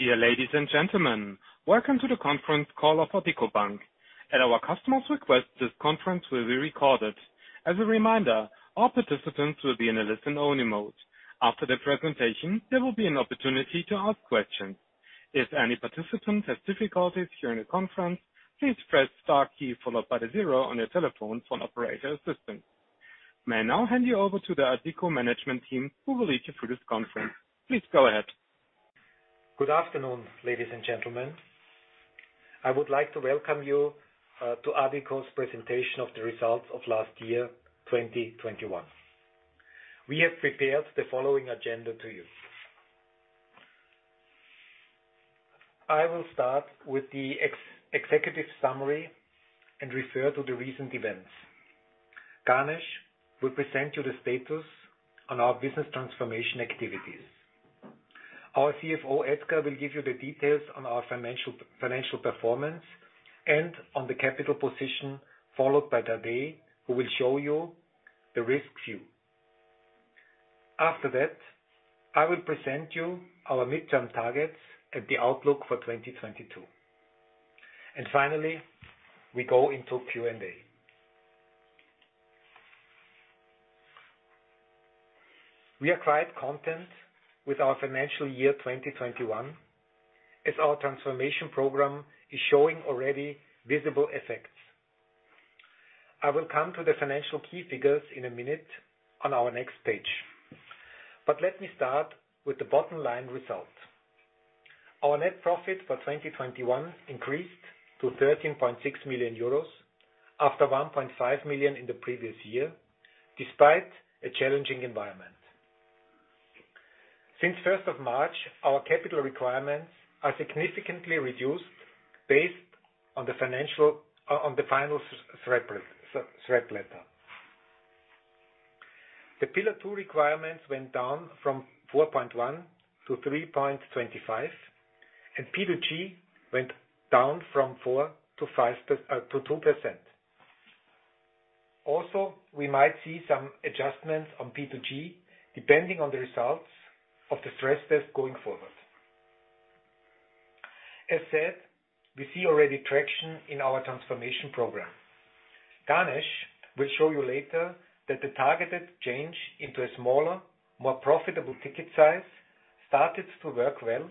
Dear ladies and gentlemen, welcome to the conference call of Addiko Bank. At our customer's request, this conference will be recorded. As a reminder, all participants will be in a listen-only mode. After the presentation, there will be an opportunity to ask questions. If any participant have difficulty during the conference, please press star key followed by the zero on the telephone for operator's assistance. May I now hand you over to the Addiko management team who will lead you through this conference. Please go ahead. Good afternoon, ladies and gentlemen. I would like to welcome you to Addiko's Presentation of the Results of Last Year, 2021. We have prepared the following agenda to you. I will start with the executive summary and refer to the recent events. Ganesh will present you the status on our business transformation activities. Our CFO, Edgar, will give you the details on our financial performance and on the capital position, followed by Tadej, who will show you the risk view. After that, I will present you our midterm targets and the outlook for 2022. Finally, we go into Q&A. We are quite content with our financial year 2021, as our transformation program is showing already visible effects. I will come to the financial key figures in a minute on our next page. Let me start with the bottom line results. Our net profit for 2021 increased to 13.6 million euros, after 1.5 million in the previous year, despite a challenging environment. Since 1st March, our capital requirements are significantly reduced based on the final SREP letter. The Pillar 2 requirements went down from 4.1% to 3.25%, and P2G went down from 4% to 2%. Also, we might see some adjustments on P2G depending on the results of the stress test going forward. As said, we see already traction in our transformation program. Ganesh will show you later that the targeted change into a smaller, more profitable ticket size started to work well,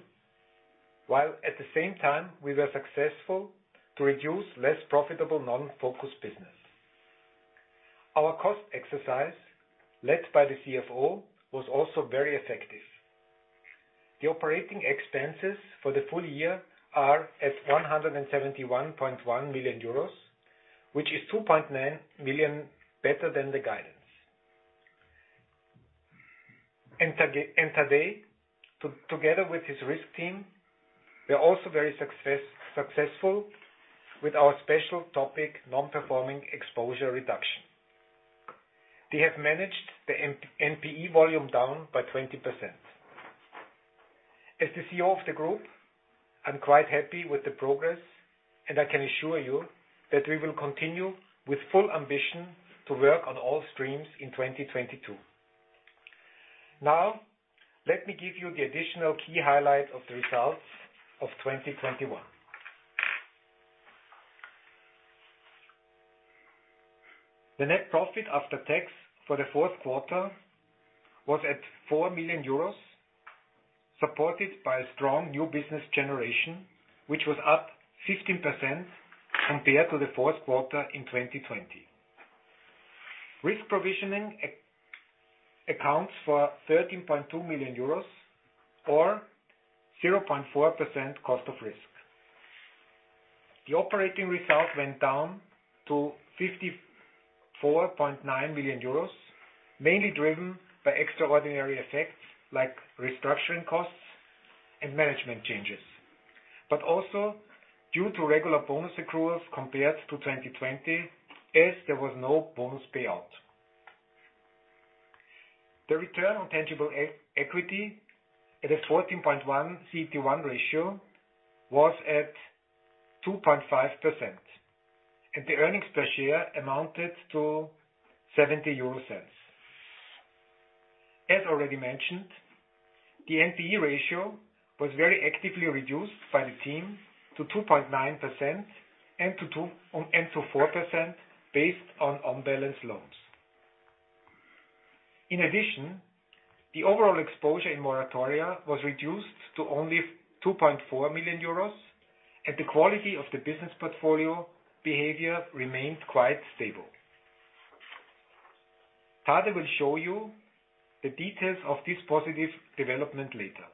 while at the same time we were successful to reduce less profitable non-focus business. Our cost exercise, led by the CFO, was also very effective. The operating expenses for the full year are at 171.1 million euros, which is 2.9 million better than the guidance. Tadej, together with his risk team, we are also very successful with our special topic, non-performing exposure reduction. They have managed the NPE volume down by 20%. As the CEO of the group, I'm quite happy with the progress, and I can assure you that we will continue with full ambition to work on all streams in 2022. Now, let me give you the additional key highlights of the results of 2021. The net profit after tax for the fourth quarter was at 4 million euros, supported by a strong new business generation, which was up 15% compared to the fourth quarter in 2020. Risk provisioning accounts for 13.2 million euros or 0.4% cost of risk. The operating result went down to 54.9 million euros, mainly driven by extraordinary effects like restructuring costs and management changes, but also due to regular bonus accruals compared to 2020 as there was no bonus payout. The return on tangible equity at a 14.1 CET1 ratio was at 2.5%, and the earnings per share amounted to 0.70. As already mentioned, the NPE ratio was very actively reduced by the team to 2.9% and to 4% based on on-balance loans. In addition, the overall exposure in moratoria was reduced to only 2.4 million euros, and the quality of the business portfolio behavior remained quite stable. Tadej will show you the details of this positive development later.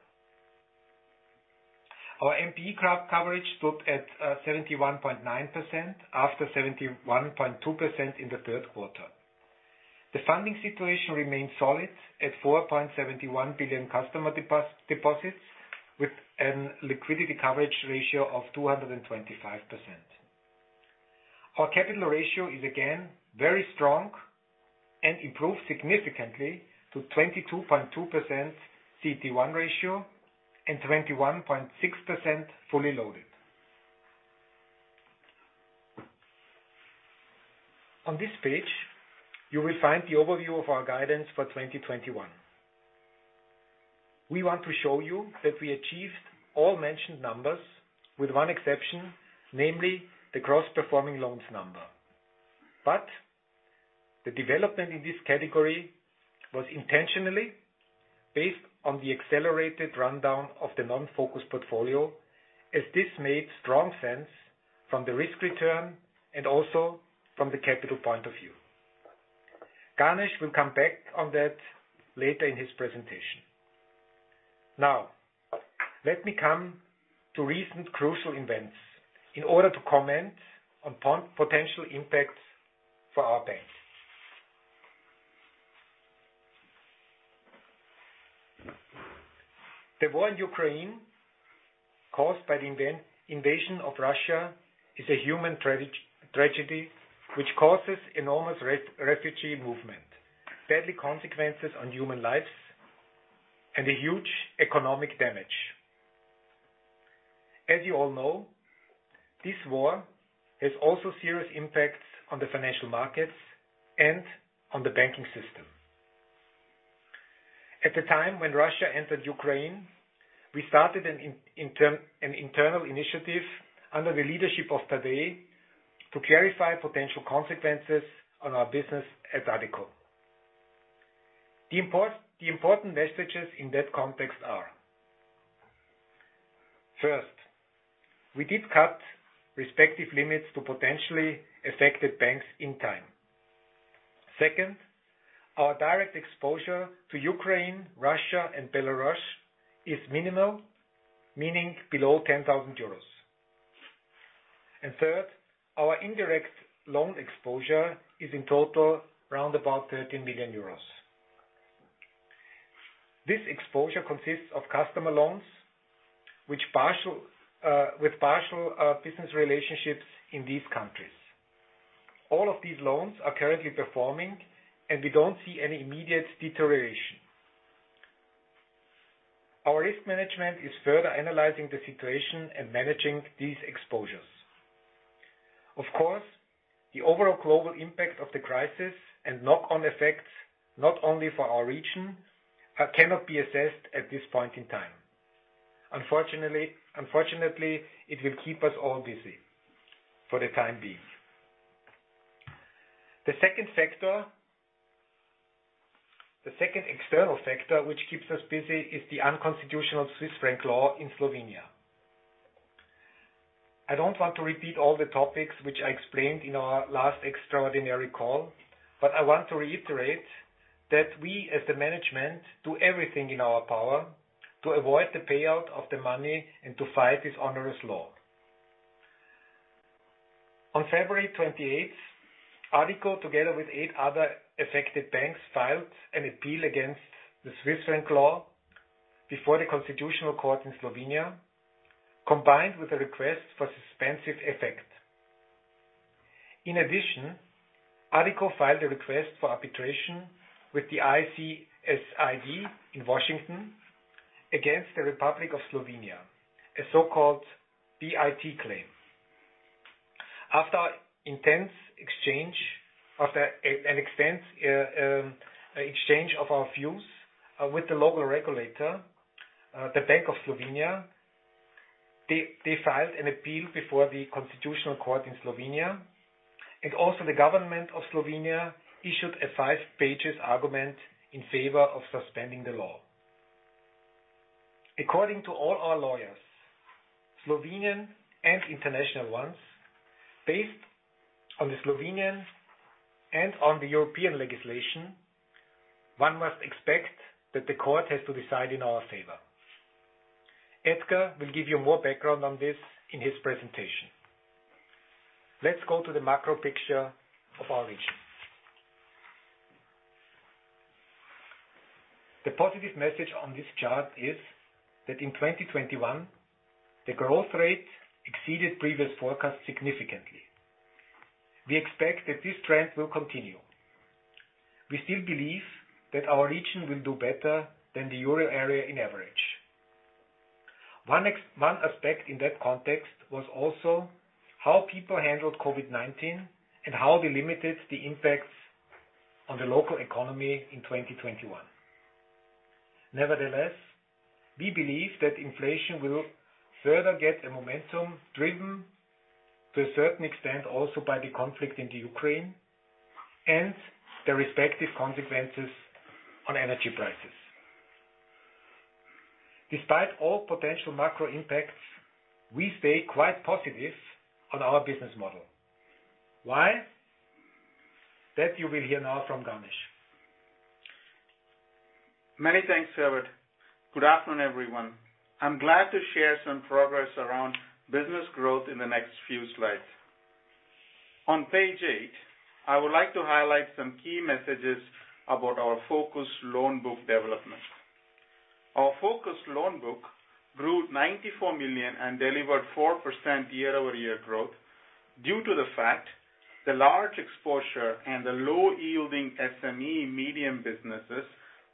Our NPE cash coverage stood at 71.9% after 71.2% in the third quarter. The funding situation remains solid at 4.71 billion customer deposits with a liquidity coverage ratio of 225%. Our capital ratio is again very strong and improved significantly to 22.2% CET1 ratio and 21.6% fully loaded. On this page, you will find the overview of our guidance for 2021. We want to show you that we achieved all mentioned numbers with one exception, namely the gross performing loans number. The development in this category was intentionally based on the accelerated rundown of the non-focus portfolio, as this made strong sense from the risk return and also from the capital point of view. Ganesh will come back on that later in his presentation. Now, let me come to recent crucial events in order to comment on potential impacts for our bank. The war in Ukraine caused by the invasion of Russia is a human tragedy which causes enormous refugee movement, deadly consequences on human lives, and a huge economic damage. As you all know, this war has also serious impacts on the financial markets and on the banking system. At the time when Russia entered Ukraine, we started an internal initiative under the leadership of Tadej to clarify potential consequences on our business at Addiko. The important messages in that context are, first, we did cut respective limits to potentially affected banks in time. Second, our direct exposure to Ukraine, Russia, and Belarus is minimal, meaning below 10,000 euros. Third, our indirect loan exposure is in total around about 13 million euros. This exposure consists of customer loans with partial business relationships in these countries. All of these loans are currently performing, and we don't see any immediate deterioration. Our risk management is further analyzing the situation and managing these exposures. Of course, the overall global impact of the crisis and knock-on effects, not only for our region, cannot be assessed at this point in time. Unfortunately, it will keep us all busy for the time being. The second external factor which keeps us busy is the unconstitutional Swiss franc law in Slovenia. I don't want to repeat all the topics which I explained in our last extraordinary call, but I want to reiterate that we, as the management, do everything in our power to avoid the payout of the money and to fight this onerous law. On February 28, Addiko, together with 8 other affected banks, filed an appeal against the Swiss franc law before the Constitutional Court in Slovenia, combined with a request for suspensive effect. In addition, Addiko filed a request for arbitration with the ICSID in Washington against the Republic of Slovenia, a so-called BIT claim. After an intense exchange of our views with the local regulator, the Bank of Slovenia, they filed an appeal before the Constitutional Court in Slovenia, and also the government of Slovenia issued a five-page argument in favor of suspending the law. According to all our lawyers, Slovenian and international ones, based on the Slovenian and on the European legislation, one must expect that the court has to decide in our favor. Edgar will give you more background on this in his presentation. Let's go to the macro picture of our region. The positive message on this chart is that in 2021, the growth rate exceeded previous forecasts significantly. We expect that this trend will continue. We still believe that our region will do better than the euro area on average. One aspect in that context was also how people handled COVID-19 and how they limited the impacts on the local economy in 2021. Nevertheless, we believe that inflation will further gain momentum driven to a certain extent also by the conflict in the Ukraine and the respective consequences on energy prices. Despite all potential macro impacts, we stay quite positive on our business model. Why? That you will hear now from Ganesh. Many thanks, Herbert. Good afternoon, everyone. I'm glad to share some progress around business growth in the next few slides. On page eight, I would like to highlight some key messages about our focused loan book development. Our focused loan book grew 94 million and delivered 4% year-over-year growth due to the fact the large exposure and the low-yielding SME medium businesses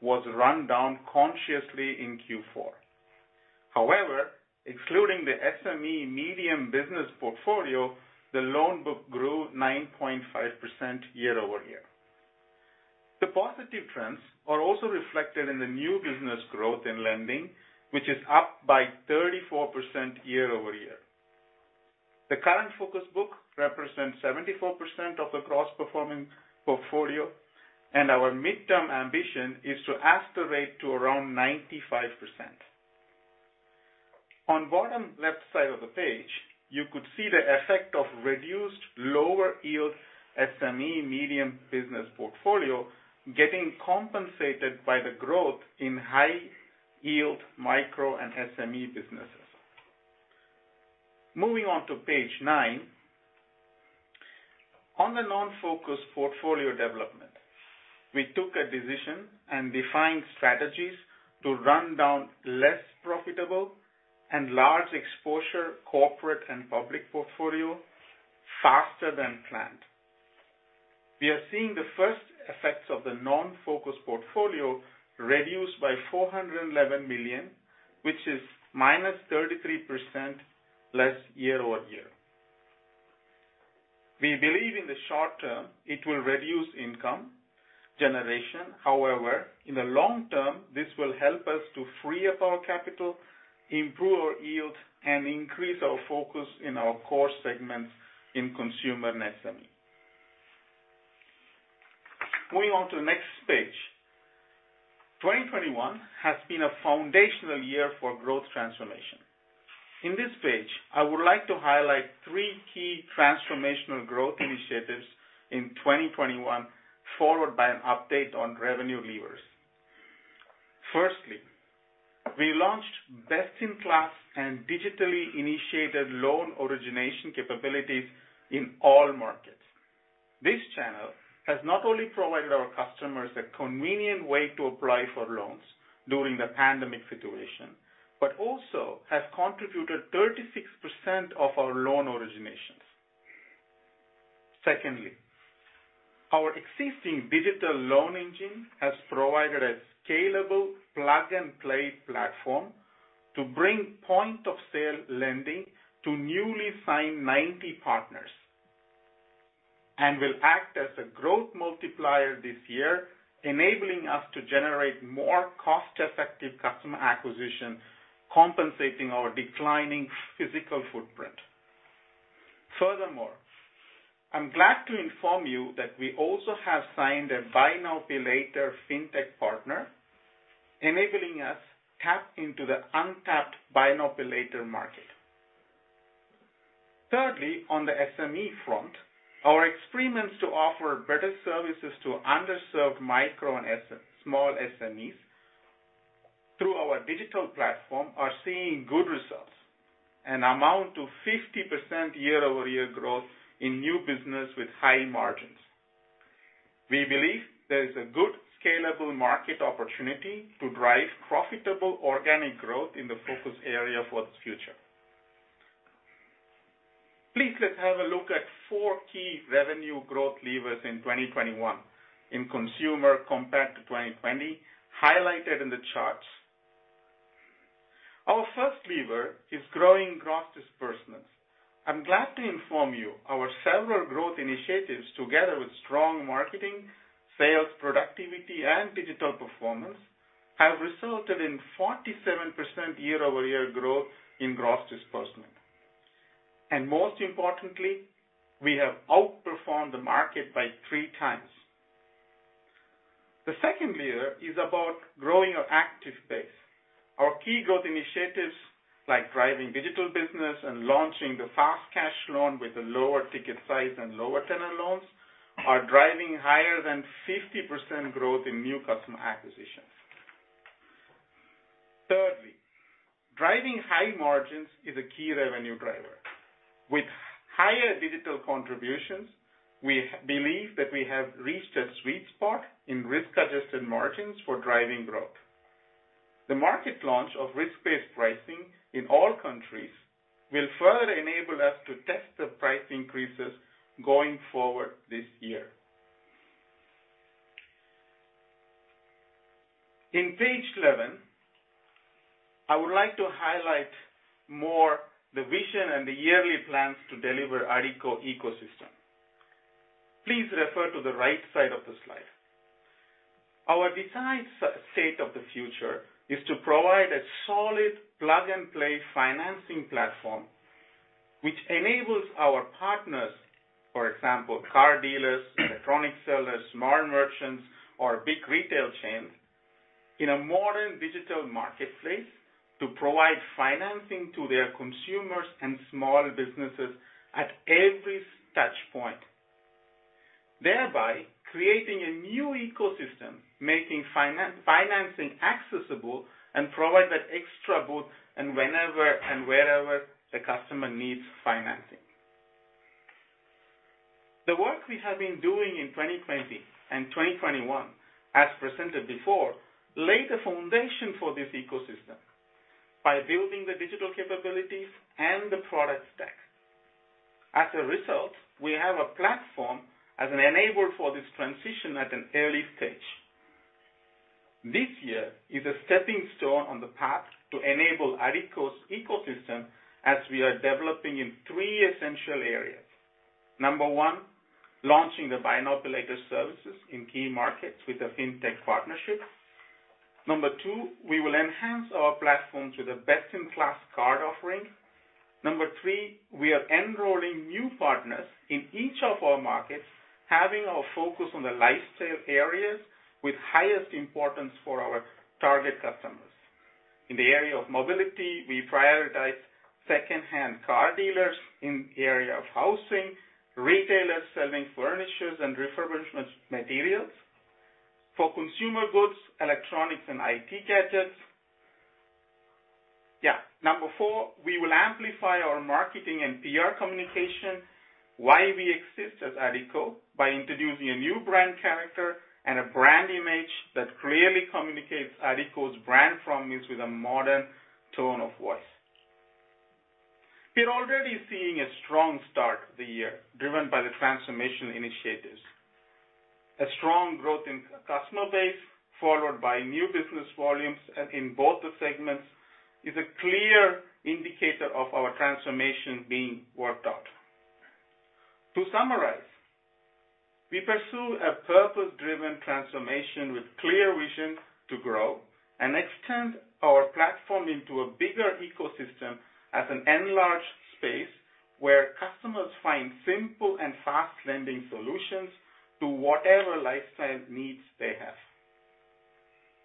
was run down consciously in Q4. However, excluding the SME medium business portfolio, the loan book grew 9.5% year-over-year. The positive trends are also reflected in the new business growth in lending, which is up by 34% year-over-year. The current focus book represents 74% of the core-performing portfolio, and our midterm ambition is to escalate to around 95%. On bottom left side of the page, you could see the effect of reduced lower yield SME medium business portfolio getting compensated by the growth in high yield micro and SME businesses. Moving on to page nine. On the non-focus portfolio development, we took a decision and defined strategies to run down less profitable and large exposure corporate and public portfolio faster than planned. We are seeing the first effects of the non-focus portfolio reduced by 411 million, which is -33% less year-over-year. We believe in the short term, it will reduce income generation. However, in the long term, this will help us to free up our capital, improve our yield, and increase our focus in our core segments in consumer and SME. Moving on to the next page. 2021 has been a foundational year for growth transformation. In this page, I would like to highlight three key transformational growth initiatives in 2021, followed by an update on revenue levers. Firstly, we launched best-in-class and digitally initiated loan origination capabilities in all markets. This channel has not only provided our customers a convenient way to apply for loans during the pandemic situation, but also has contributed 36% of our loan originations. Secondly, our existing digital loan engine has provided a scalable plug-and-play platform to bring point-of-sale lending to newly signed 90 partners and will act as a growth multiplier this year, enabling us to generate more cost-effective customer acquisition, compensating our declining physical footprint. Furthermore, I'm glad to inform you that we also have signed a Buy Now Pay Later fintech partner, enabling us to tap into the untapped Buy Now Pay Later market. Thirdly, on the SME front, our experiments to offer better services to underserved micro and small SMEs through our digital platform are seeing good results and amount to 50% year-over-year growth in new business with high margins. We believe there is a good scalable market opportunity to drive profitable organic growth in the focus area for the future. Please, let's have a look at four key revenue growth levers in 2021 in consumer compared to 2020, highlighted in the charts. Our first lever is growing gross disbursements. I'm glad to inform you our several growth initiatives, together with strong marketing, sales, productivity, and digital performance, have resulted in 47% year-over-year growth in gross disbursement. Most importantly, we have outperformed the market by three times. The second lever is about growing our active base. Our key growth initiatives, like driving digital business and launching the fast cash loan with a lower ticket size and lower tenor loans, are driving higher than 50% growth in new customer acquisitions. Thirdly, driving high margins is a key revenue driver. With higher digital contributions, we believe that we have reached a sweet spot in risk-adjusted margins for driving growth. The market launch of risk-based pricing in all countries will further enable us to test the price increases going forward this year. In page 11, I would like to highlight more the vision and the yearly plans to deliver Addiko ecosystem. Please refer to the right side of the slide. Our desired state of the future is to provide a solid plug-and-play financing platform which enables our partners, for example, car dealers, electronics sellers, small merchants, or big retail chains, in a modern digital marketplace to provide financing to their consumers and small businesses at every touch point, thereby creating a new ecosystem, making financing accessible and provide that extra boost and whenever and wherever the customer needs financing. The work we have been doing in 2020 and 2021, as presented before, laid the foundation for this ecosystem by building the digital capabilities and the product stack. As a result, we have a platform as an enabler for this transition at an early stage. This year is a stepping stone on the path to enable Addiko's ecosystem as we are developing in three essential areas. Number one, launching the Buy Now Pay Later services in key markets with a FinTech partnership. Number two, we will enhance our platform to the best-in-class card offering. Number three, we are enrolling new partners in each of our markets, having our focus on the lifestyle areas with highest importance for our target customers. In the area of mobility, we prioritize second-hand car dealers. In the area of housing, retailers selling furniture and refurbishment materials. For consumer goods, electronics and IT gadgets. Yeah. Number four, we will amplify our marketing and PR communication, why we exist as Addiko, by introducing a new brand character and a brand image that clearly communicates Addiko's brand promise with a modern tone of voice. We're already seeing a strong start to the year, driven by the transformation initiatives. A strong growth in customer base, followed by new business volumes, in both the segments, is a clear indicator of our transformation being worked out. To summarize, we pursue a purpose-driven transformation with clear vision to grow and extend our platform into a bigger ecosystem as an enlarged space where customers find simple and fast lending solutions to whatever lifestyle needs they have.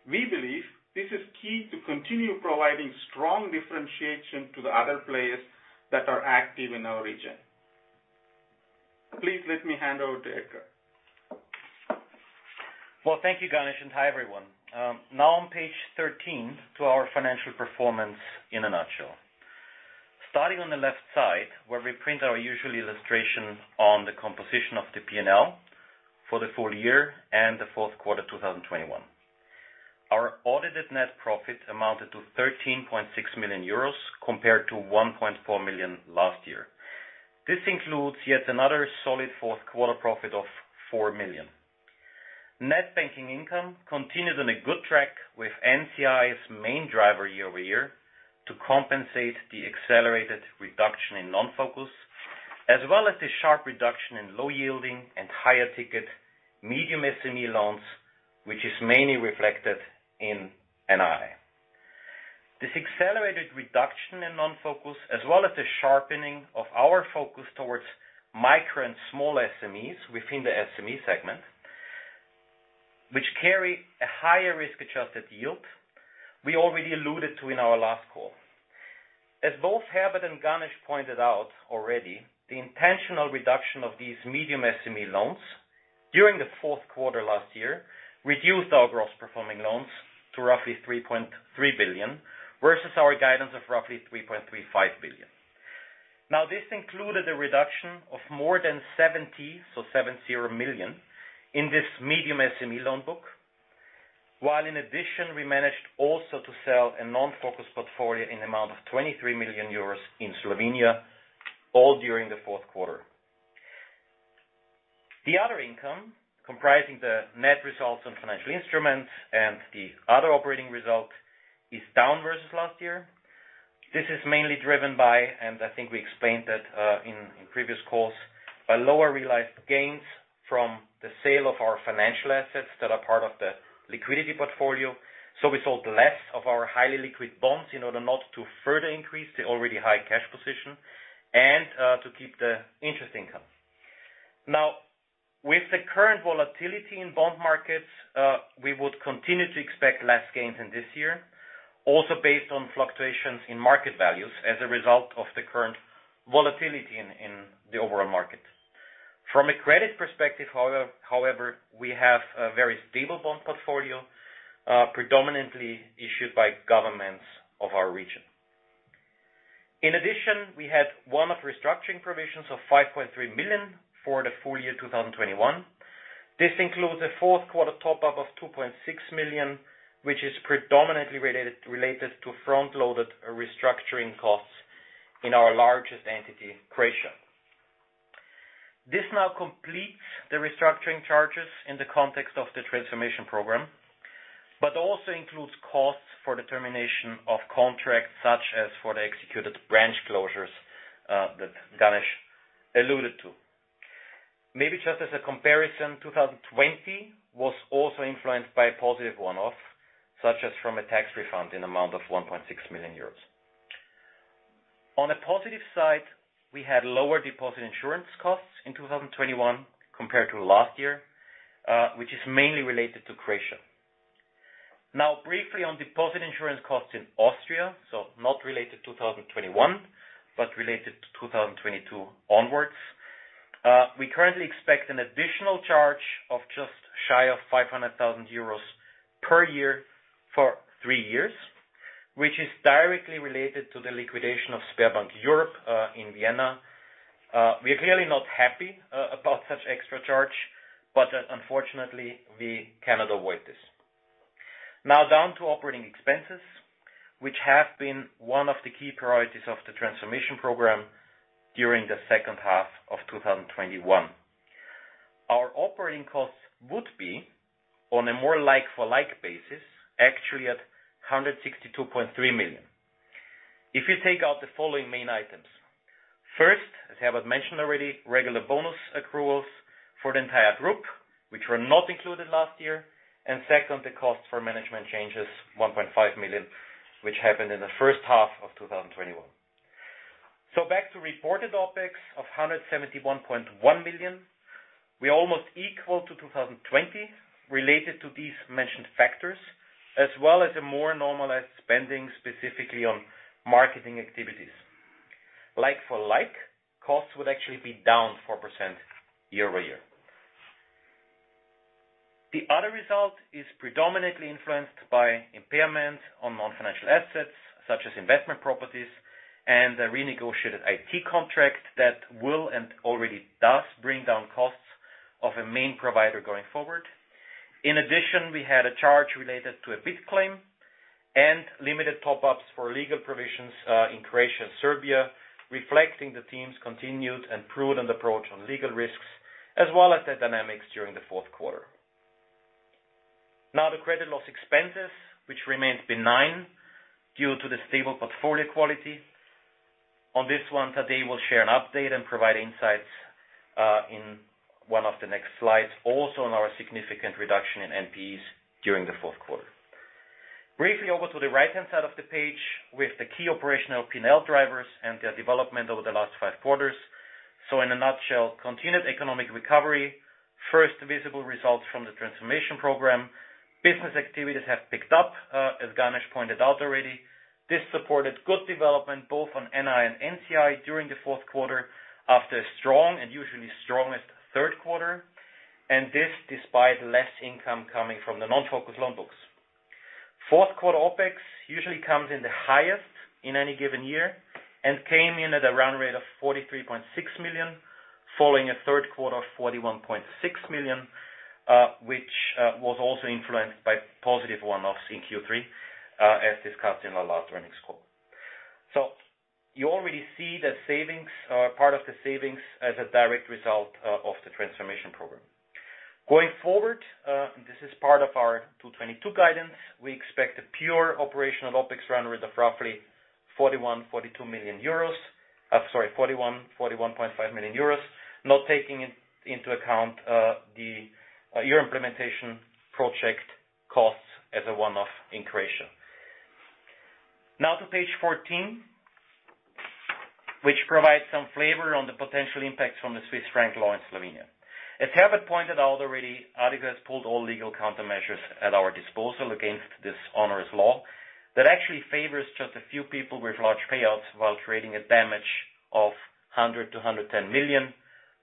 We believe this is key to continue providing strong differentiation to the other players that are active in our region. Please let me hand over to Edgar. Well, thank you, Ganesh, and hi, everyone. Now on page 13 to our financial performance in a nutshell. Starting on the left side, where we print our usual illustration on the composition of the P&L for the full year and the fourth quarter 2021. Our audited net profit amounted to 13.6 million euros compared to 1.4 million last year. This includes yet another solid fourth quarter profit of 4 million. Net banking income continues on a good track with NFCI's main driver year over year to compensate the accelerated reduction in non-focus, as well as the sharp reduction in low yielding and higher ticket medium SME loans, which is mainly reflected in NI. This accelerated reduction in non-focus, as well as the sharpening of our focus towards micro and small SMEs within the SME segment, which carry a higher risk-adjusted yield, we already alluded to in our last call. As both Herbert and Ganesh pointed out already, the intentional reduction of these medium SME loans during the fourth quarter last year reduced our gross performing loans to roughly 3.3 billion, versus our guidance of roughly 3.35 billion. Now, this included a reduction of more than 70 million in this medium SME loan book, while in addition, we managed also to sell a non-focus portfolio in the amount of 23 million euros in Slovenia, all during the fourth quarter. The other income, comprising the net results on financial instruments and the other operating result, is down versus last year. This is mainly driven by, and I think we explained that, in previous calls, by lower realized gains from the sale of our financial assets that are part of the liquidity portfolio. We sold less of our highly liquid bonds in order not to further increase the already high cash position and, to keep the interest income. Now, with the current volatility in bond markets, we would continue to expect less gains in this year, also based on fluctuations in market values as a result of the current volatility in the overall market. From a credit perspective, however, we have a very stable bond portfolio, predominantly issued by governments of our region. In addition, we had one-off restructuring provisions of 5.3 million for the full year 2021. This includes a fourth quarter top-up of 2.6 million, which is predominantly related to front-loaded restructuring costs in our largest entity, Croatia. This now completes the restructuring charges in the context of the transformation program, but also includes costs for the termination of contracts, such as for the executed branch closures that Ganesh alluded to. Maybe just as a comparison, 2020 was also influenced by positive one-off, such as from a tax refund in the amount of 1.6 million euros. On a positive side, we had lower deposit insurance costs in 2021 compared to last year, which is mainly related to Croatia. Now, briefly on deposit insurance costs in Austria, so not related to 2021, but related to 2022 onward, we currently expect an additional charge of just shy of 500,000 euros per year for three years, which is directly related to the liquidation of Sberbank Europe in Vienna. We are clearly not happy about such extra charge, but, unfortunately, we cannot avoid this. Now down to operating expenses, which have been one of the key priorities of the transformation program during the second half of 2021. Our operating costs would be on a more like-for-like basis, actually at 162.3 million. If you take out the following main items. First, as Herbert mentioned already, regular bonus accruals for the entire group, which were not included last year, and second, the cost for management changes, 1.5 million, which happened in the first half of 2021. Back to reported OpEx of 171.1 million, which is almost equal to 2020 related to these mentioned factors, as well as a more normalized spending, specifically on marketing activities. Like for like, costs would actually be down 4% year-over-year. The other result is predominantly influenced by impairment on non-financial assets such as investment properties and a renegotiated IT contract that will and already does bring down costs of a main provider going forward. In addition, we had a charge related to a BIT claim and limited top-ups for legal provisions, in Croatia and Serbia, reflecting the team's continued and prudent approach on legal risks as well as the dynamics during the fourth quarter. Now the credit loss expenses, which remains benign due to the stable portfolio quality. On this one, Tadej will share an update and provide insights, in one of the next slides, also on our significant reduction in NPEs during the fourth quarter. Briefly over to the right-hand side of the page with the key operational P&L drivers and their development over the last five quarters. In a nutshell, continued economic recovery, first visible results from the transformation program. Business activities have picked up, as Ganesh pointed out already. This supported good development both on NI and NFCI during the fourth quarter after a strong and usually strongest third quarter. This despite less income coming from the non-focus loan books. Fourth quarter OpEx usually comes in the highest in any given year and came in at a run rate of 43.6 million, following a third quarter of 41.6 million, which was also influenced by positive one-off in Q3, as discussed in our last earnings call. You already see the savings, part of the savings as a direct result of the transformation program. Going forward, this is part of our 2022 guidance. We expect a pure operational OpEx run rate of roughly 41 million-42 million euros. Sorry, 41.5 million euros, not taking into account the euro implementation project costs as a one-off in Croatia. Now to page 14, which provides some flavor on the potential impacts from the Swiss franc law in Slovenia. As Herbert pointed out already, Addiko has pulled all legal countermeasures at our disposal against this onerous law that actually favors just a few people with large payouts while creating a damage of 100 million-110 million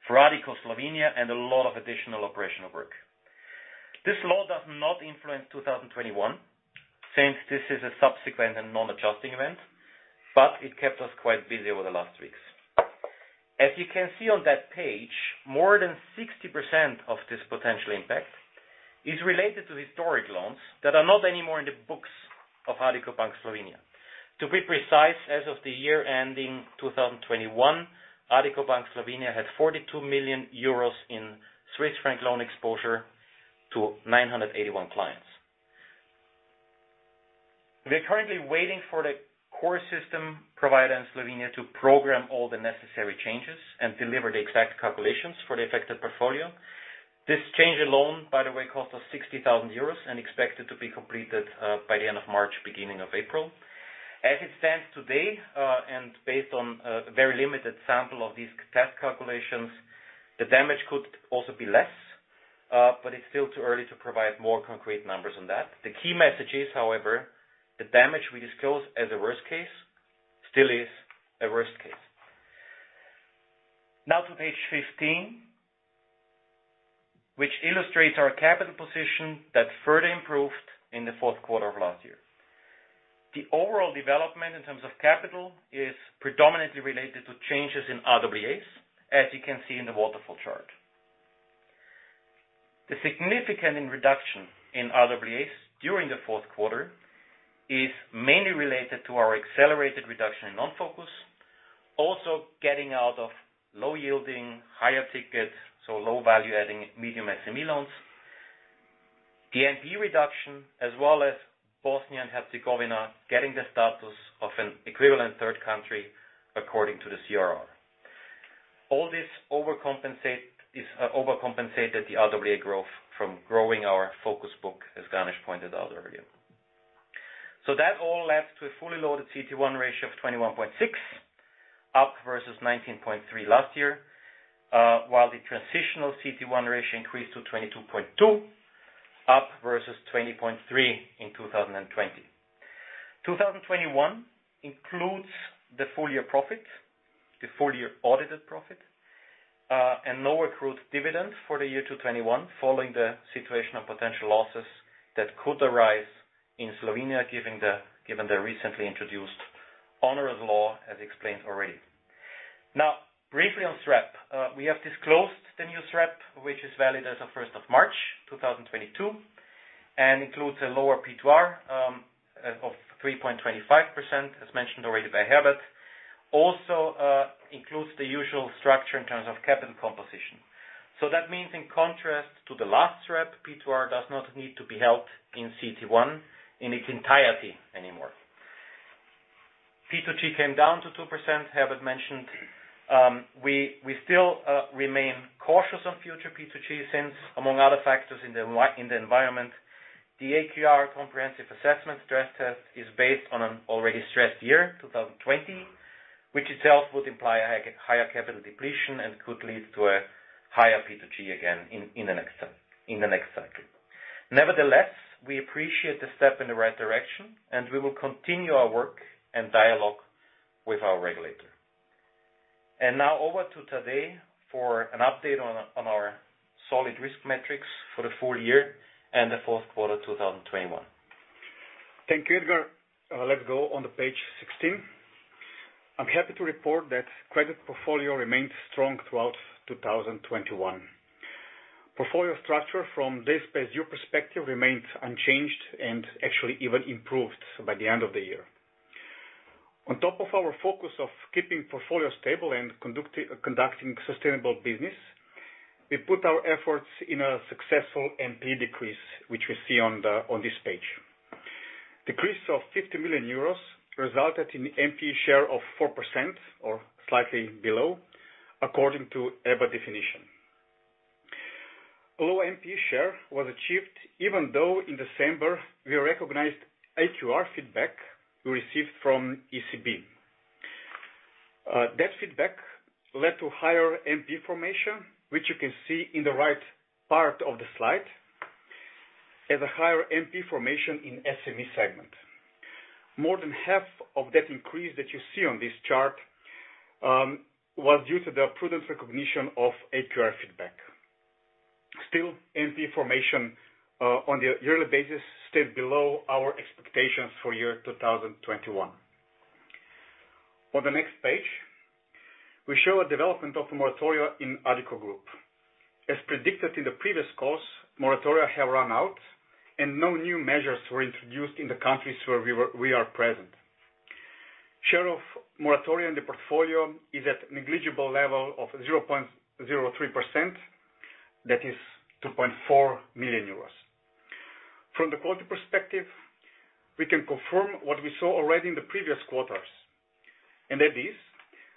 for Addiko Slovenia and a lot of additional operational work. This law does not influence 2021, since this is a subsequent and non-adjusting event, but it kept us quite busy over the last weeks. As you can see on that page, more than 60% of this potential impact is related to historic loans that are not anymore in the books of Addiko Bank Slovenia. To be precise, as of the year ending 2021, Addiko Bank Slovenia had 42 million euros in Swiss franc loan exposure to 981 clients. We are currently waiting for the core system provider in Slovenia to program all the necessary changes and deliver the exact calculations for the affected portfolio. This change alone, by the way, cost us 60,000 euros and expected to be completed by the end of March, beginning of April. As it stands today, and based on a very limited sample of these test calculations, the damage could also be less, but it's still too early to provide more concrete numbers on that. The key message is, however, the damage we disclose as a worst case still is a worst case. Now to page 15, which illustrates our capital position that further improved in the fourth quarter of last year. The overall development in terms of capital is predominantly related to changes in RWAs, as you can see in the waterfall chart. The significant reduction in RWAs during the fourth quarter is mainly related to our accelerated reduction in non-focus, also getting out of low yielding, higher ticket, so low value adding medium SME loans, the NPE reduction as well as Bosnia and Herzegovina getting the status of an equivalent third country according to the CRR. All this overcompensated the RWA growth from growing our focus book, as Ganesh pointed out earlier. That all adds to a fully loaded CET1 ratio of 21.6%, up versus 19.3% last year, while the transitional CET1 ratio increased to 22.2%, up versus 20.3% in 2020. 2021 includes the full year profit, the full year audited profit, and no accrued dividend for the year 2021 following the situation of potential losses that could arise in Slovenia, given the recently introduced onerous law, as explained already. Now, briefly on SREP. We have disclosed the new SREP, which is valid as of 1st of March 2022, and includes a lower P2R of 3.25%, as mentioned already by Herbert. Also, includes the usual structure in terms of capital composition. That means, in contrast to the last SREP, P2R does not need to be held in CET1 in its entirety anymore. P2G came down to 2%, Herbert mentioned. We still remain cautious on future P2G since among other factors in the environment, the AQR comprehensive assessment stress test is based on an already stressed year, 2020, which itself would imply a higher capital depletion and could lead to a higher P2G again in the next cycle. Nevertheless, we appreciate the step in the right direction, and we will continue our work and dialogue with our regulator. Now over to Tadej for an update on our solid risk metrics for the full year and the fourth quarter of 2021. Thank you, Edgar. Let's go on the page 16. I'm happy to report that credit portfolio remained strong throughout 2021. Portfolio structure from days past due perspective remains unchanged and actually even improved by the end of the year. On top of our focus of keeping portfolio stable and conducting sustainable business, we put our efforts in a successful NPE decrease, which we see on this page. Decrease of 50 million euros resulted in NPE share of 4% or slightly below, according to EBA definition. Low NPE share was achieved even though in December we recognized AQR feedback we received from ECB. That feedback led to higher NPE formation, which you can see in the right part of the slide as a higher NPE formation in SME segment. More than half of that increase that you see on this chart was due to the prudent recognition of AQR feedback. Still, NPE formation on the yearly basis stayed below our expectations for year 2021. On the next page, we show a development of moratoria in Addiko Group. As predicted in the previous quarter, moratoria have run out and no new measures were introduced in the countries where we are present. Share of moratoria in the portfolio is at negligible level of 0.03%, that is 2.4 million euros. From the quality perspective, we can confirm what we saw already in the previous quarters. That is,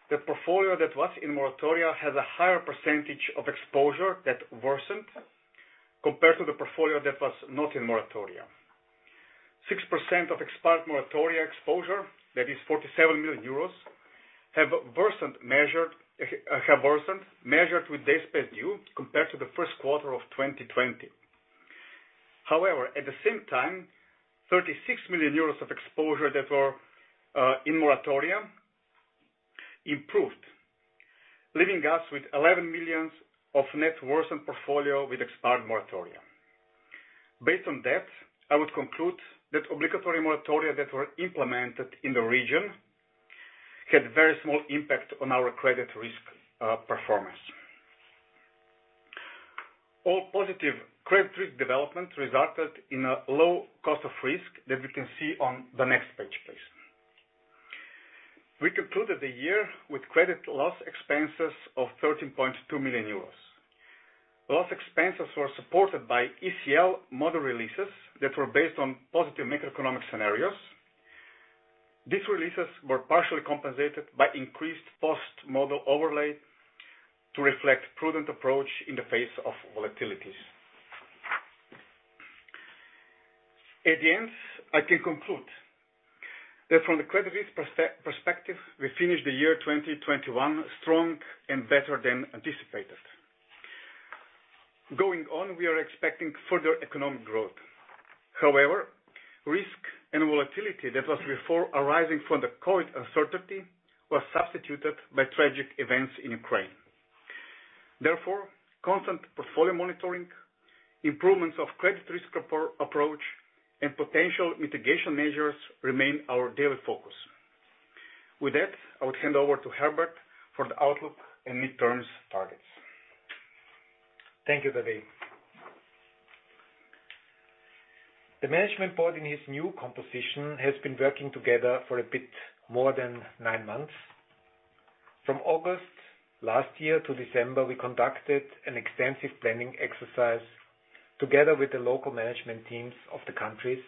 the portfolio that was in moratoria has a higher percentage of exposure that worsened compared to the portfolio that was not in moratoria. 6% of expired moratoria exposure, that is 47 million euros, have worsened, measured with days past due compared to the first quarter of 2020. However, at the same time, 36 million euros of exposure that were in moratoria improved, leaving us with 11 million of net worsened portfolio with expired moratoria. Based on that, I would conclude that obligatory moratoria that were implemented in the region had very small impact on our credit risk performance. All positive credit risk development resulted in a low cost of risk that we can see on the next page, please. We concluded the year with credit loss expenses of 13.2 million euros. Loss expenses were supported by ECL model releases that were based on positive macroeconomic scenarios. These releases were partially compensated by increased post-model overlay to reflect prudent approach in the face of volatilities. At the end, I can conclude that from the credit risk perspective, we finished the year 2021 strong and better than anticipated. Going on, we are expecting further economic growth. However, risk and volatility that was before arising from the COVID uncertainty was substituted by tragic events in Ukraine. Therefore, constant portfolio monitoring, improvements of credit risk approach, and potential mitigation measures remain our daily focus. With that, I would hand over to Herbert for the outlook and mid-term targets. Thank you, Tadej. The Management Board in its new composition has been working together for a bit more than nine months. From August last year to December, we conducted an extensive planning exercise together with the local management teams of the countries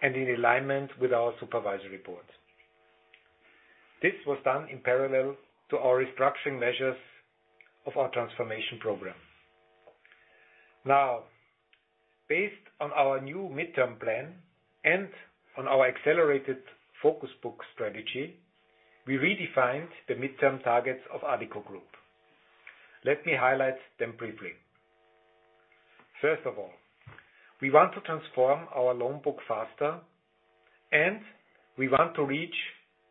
and in alignment with our Supervisory Board. This was done in parallel to our restructuring measures of our transformation program. Now, based on our new midterm plan and on our accelerated focus book strategy, we redefined the midterm targets of Addiko Group. Let me highlight them briefly. First of all, we want to transform our loan book faster, and we want to reach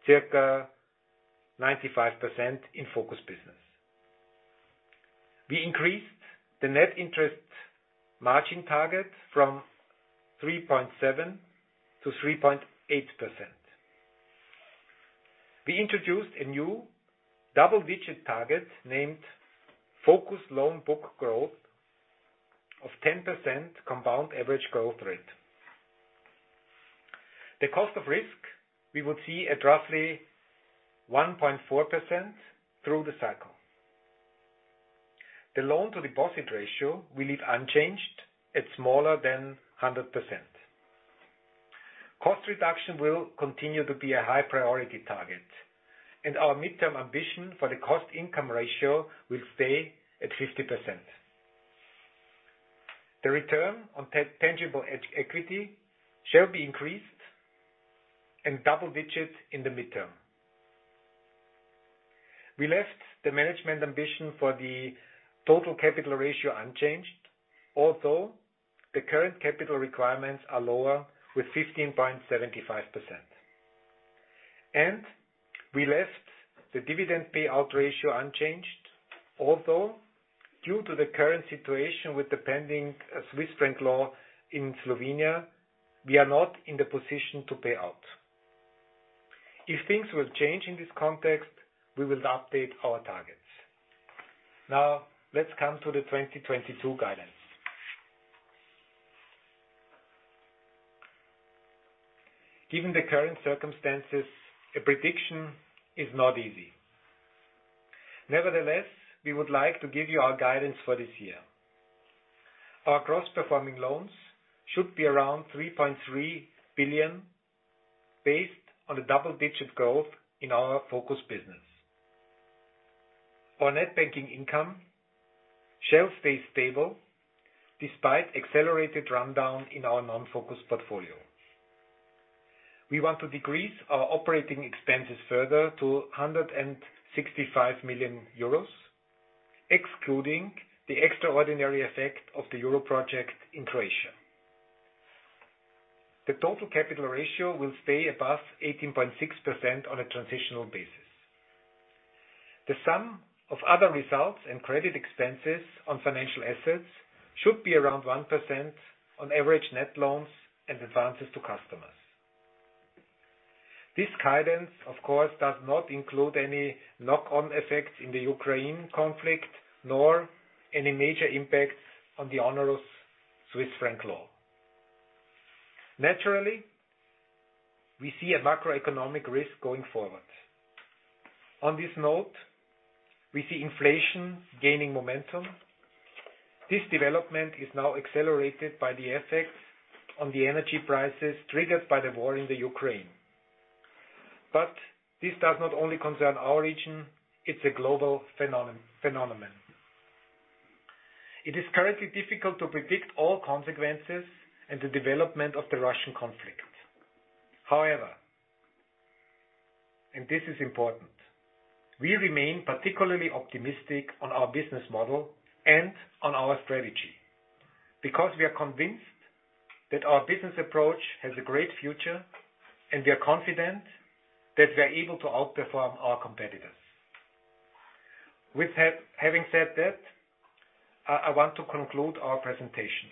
circa 95% in focus business. We increased the net interest margin target from 3.7% to 3.8%. We introduced a new double-digit target named Focus Loan Book Growth of 10% compound average growth rate. The cost of risk we would see at roughly 1.4% through the cycle. The loan-to-deposit ratio will leave unchanged at smaller than 100%. Cost reduction will continue to be a high priority target, and our midterm ambition for the cost income ratio will stay at 50%. The return on tangible equity shall be increased and double digits in the midterm. We left the management ambition for the total capital ratio unchanged, although the current capital requirements are lower with 15.75%. We left the dividend payout ratio unchanged, although due to the current situation with the pending Swiss franc law in Slovenia, we are not in the position to pay out. If things will change in this context, we will update our targets. Now, let's come to the 2022 guidance. Given the current circumstances, a prediction is not easy. Nevertheless, we would like to give you our guidance for this year. Our gross performing loans should be around 3.3 billion based on the double-digit growth in our focus business. Our net banking income shall stay stable despite accelerated rundown in our non-focus portfolio. We want to decrease our operating expenses further to 165 million euros, excluding the extraordinary effect of the Euro project in Croatia. The total capital ratio will stay above 18.6% on a transitional basis. The sum of other results and credit expenses on financial assets should be around 1% on average net loans and advances to customers. This guidance, of course, does not include any knock-on effects in the Ukraine conflict, nor any major impacts on the onerous Swiss franc law. Naturally, we see a macroeconomic risk going forward. On this note, we see inflation gaining momentum. This development is now accelerated by the effects on the energy prices triggered by the war in the Ukraine. This does not only concern our region, it's a global phenomenon. It is currently difficult to predict all consequences and the development of the Russian conflict. However, and this is important, we remain particularly optimistic on our business model and on our strategy because we are convinced that our business approach has a great future, and we are confident that we are able to outperform our competitors. With having said that, I want to conclude our presentation.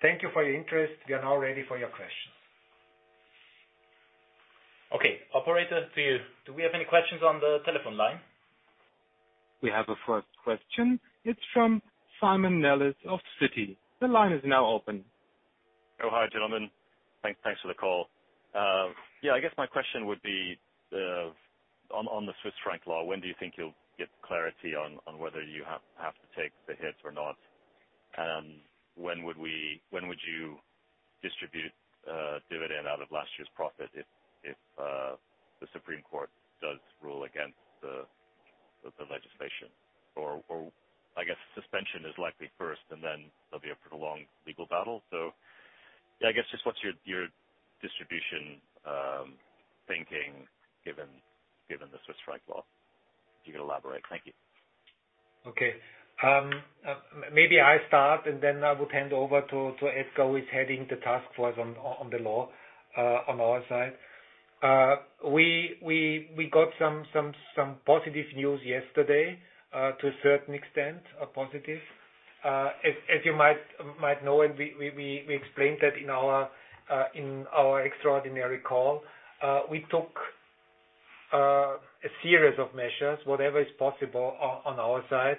Thank you for your interest. We are now ready for your questions. Okay. Operator, to you. Do we have any questions on the telephone line? We have a first question. It's from Simon Nellis of Citi. The line is now open. Hi, gentlemen. Thanks for the call. Yeah, I guess my question would be on the Swiss franc law, when do you think you'll get clarity on whether you have to take the hit or not? When would you distribute dividend out of last year's profit if the Supreme Court does rule against the legislation? I guess suspension is likely first, and then there'll be a prolonged legal battle. Yeah, I guess just what's your distribution thinking given the Swiss franc law? If you could elaborate. Thank you. Okay. Maybe I start, and then I would hand over to Edgar, who is heading the task force on the law on our side. We got some positive news yesterday, to a certain extent, positive. As you might know, and we explained that in our extraordinary call, we took a series of measures, whatever is possible on our side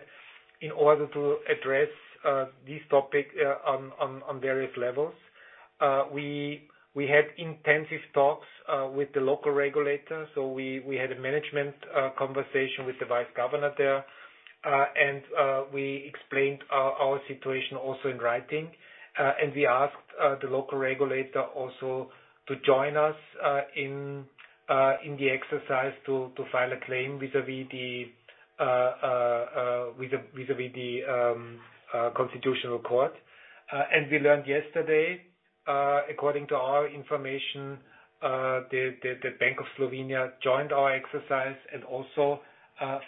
in order to address this topic on various levels. We had intensive talks with the local regulators. We had a management conversation with the vice governor there, and we explained our situation also in writing. We asked the local regulator also to join us in the exercise to file a claim vis-à-vis the Constitutional Court. We learned yesterday, according to our information, the Bank of Slovenia joined our exercise and also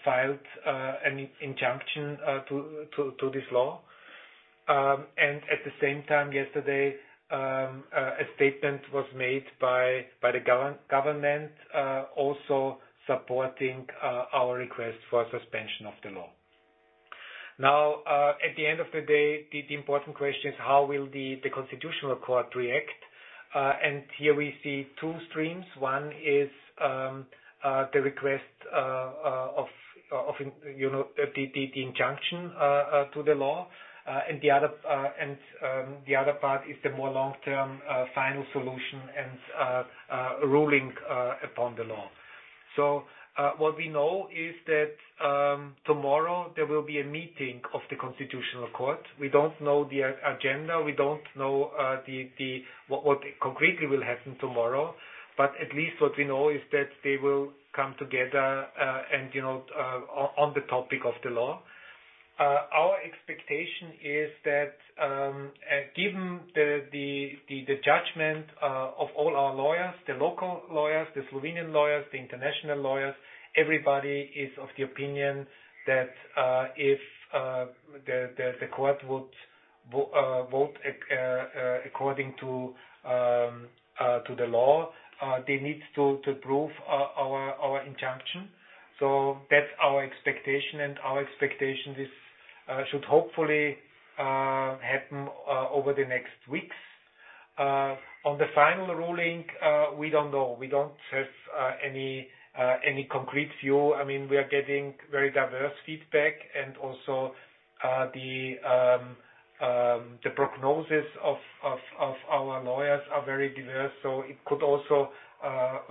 filed an injunction to this law. At the same time yesterday, a statement was made by the government also supporting our request for suspension of the law. Now, at the end of the day, the important question is how will the Constitutional Court react? Here we see two streams. One is the request, you know, the injunction to the law. The other part is the more long-term final solution and ruling upon the law. What we know is that tomorrow there will be a meeting of the Constitutional Court. We don't know the agenda, we don't know what concretely will happen tomorrow. At least what we know is that they will come together, you know, on the topic of the law. Our expectation is that, given the judgment of all our lawyers, the local lawyers, the Slovenian lawyers, the international lawyers, everybody is of the opinion that, if the court would vote according to the law, they need to approve our injunction. That's our expectation, and our expectation is should hopefully happen over the next weeks. On the final ruling, we don't know. We don't have any concrete view. I mean, we are getting very diverse feedback and also the prognosis of our lawyers are very diverse, so it could also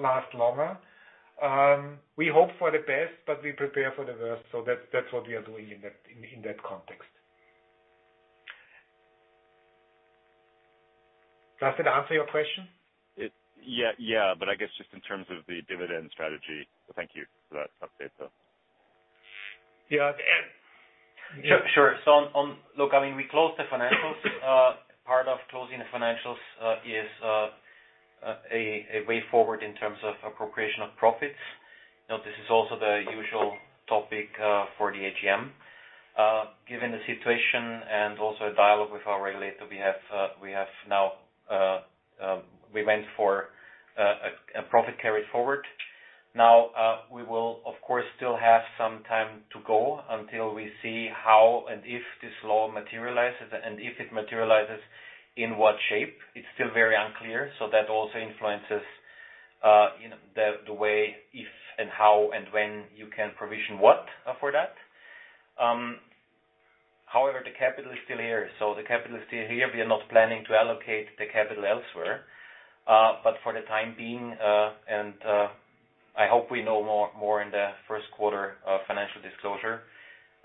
last longer. We hope for the best, but we prepare for the worst. That's what we are doing in that context. Does that answer your question? Yeah, yeah, but I guess just in terms of the dividend strategy. Thank you for that update, though. Yeah. Sure. Look, I mean, we closed the financials. Part of closing the financials is a way forward in terms of appropriation of profits. Now, this is also the usual topic for the AGM. Given the situation and also a dialogue with our regulator, we have now decided on a profit carried forward. Now, we will of course still have some time to go until we see how and if this law materializes, and if it materializes, in what shape. It's still very unclear, so that also influences you know the way, if and how and when you can provision what for that. However, the capital is still here. The capital is still here. We are not planning to allocate the capital elsewhere. For the time being, I hope we know more in the first quarter financial disclosure.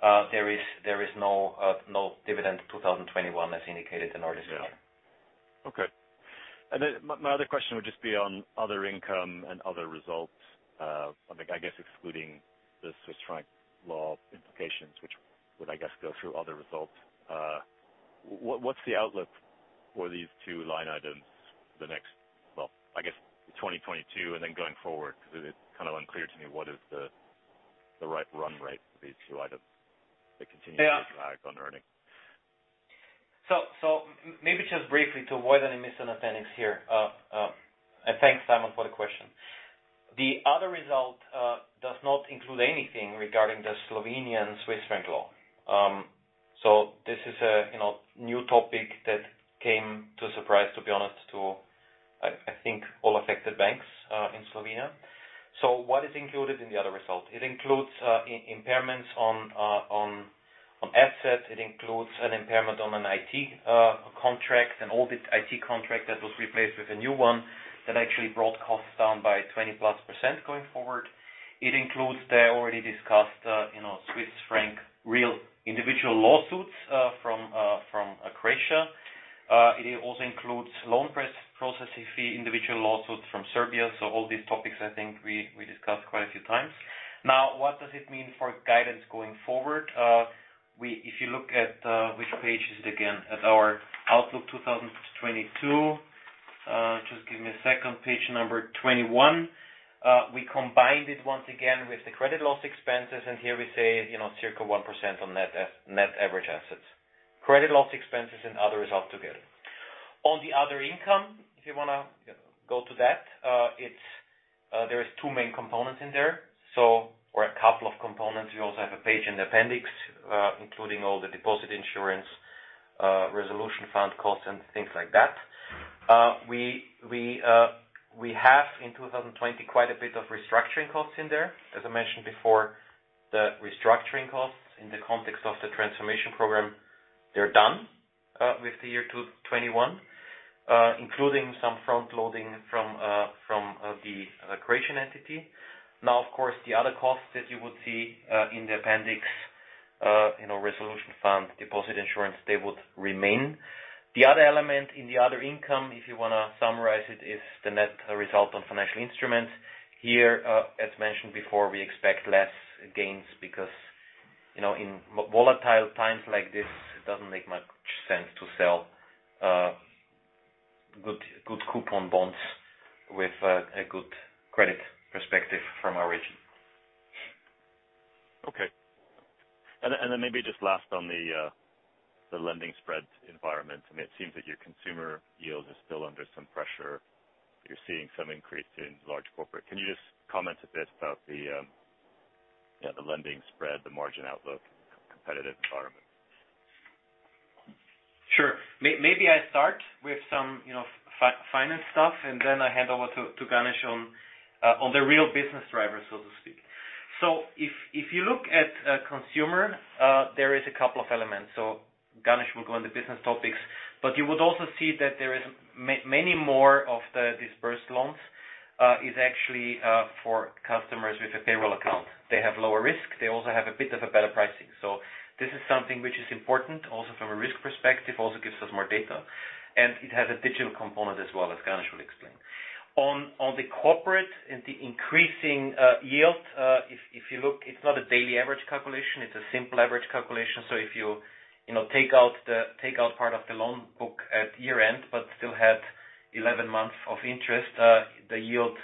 There is no dividend 2021 as indicated in our disclosure. Yeah. Okay. My other question would just be on other income and other results. I think, excluding the Swiss franc law implications, which would go through other results. What's the outlook for these two line items next, well, 2022 and then going forward? Because it's kind of unclear to me what the right run rate is for these two items that continue- Yeah. to lag on earnings. Maybe just briefly to avoid any misunderstandings here. Thanks, Simon, for the question. The other result does not include anything regarding the Slovenian Swiss franc law. This is a new topic that came as a surprise, to be honest, I think all affected banks in Slovenia. What is included in the other result? It includes impairments on assets. It includes an impairment on an IT contract, an old IT contract that was replaced with a new one that actually brought costs down by 20%+ going forward. It includes the already discussed Swiss franc-related individual lawsuits from Croatia. It also includes loan processing fee individual lawsuits from Serbia. All these topics I think we discussed quite a few times. Now, what does it mean for guidance going forward? If you look at which page is it again? At our outlook 2022, just give me a second. Page number 21. We combined it once again with the credit loss expenses, and here we say, you know, circa 1% on net average assets. Credit loss expenses and other results together. On the other income, if you wanna go to that, it's there is two main components in there, so or a couple of components. We also have a page in the appendix, including all the deposit insurance, resolution fund costs and things like that. We have in 2020 quite a bit of restructuring costs in there. As I mentioned before, the restructuring costs in the context of the transformation program, they're done with the year 2021, including some front-loading from the Croatian entity. Now, of course, the other costs that you would see in the appendix, you know, resolution fund, deposit insurance, they would remain. The other element in the other income, if you wanna summarize it, is the net result on financial instruments. Here, as mentioned before, we expect less gains because, you know, in volatile times like this, it doesn't make much sense to sell good coupon bonds with a good credit. Okay. Maybe just last on the lending spread environment. I mean, it seems that your consumer yield is still under some pressure. You're seeing some increase in large corporate. Can you just comment a bit about the lending spread, the margin outlook, competitive environment? Sure. Maybe I start with some, you know, finance stuff, and then I hand over to Ganesh on the real business drivers, so to speak. If you look at consumer, there is a couple of elements. Ganesh will go on the business topics, but you would also see that there is many more of the disbursed loans is actually for customers with a payroll account. They have lower risk. They also have a bit of a better pricing. This is something which is important also from a risk perspective, also gives us more data, and it has a digital component as well, as Ganesh will explain. On the corporate and the increasing yield, if you look, it's not a daily average calculation, it's a simple average calculation. If you know, take out part of the loan book at year-end but still had 11 months of interest, the yield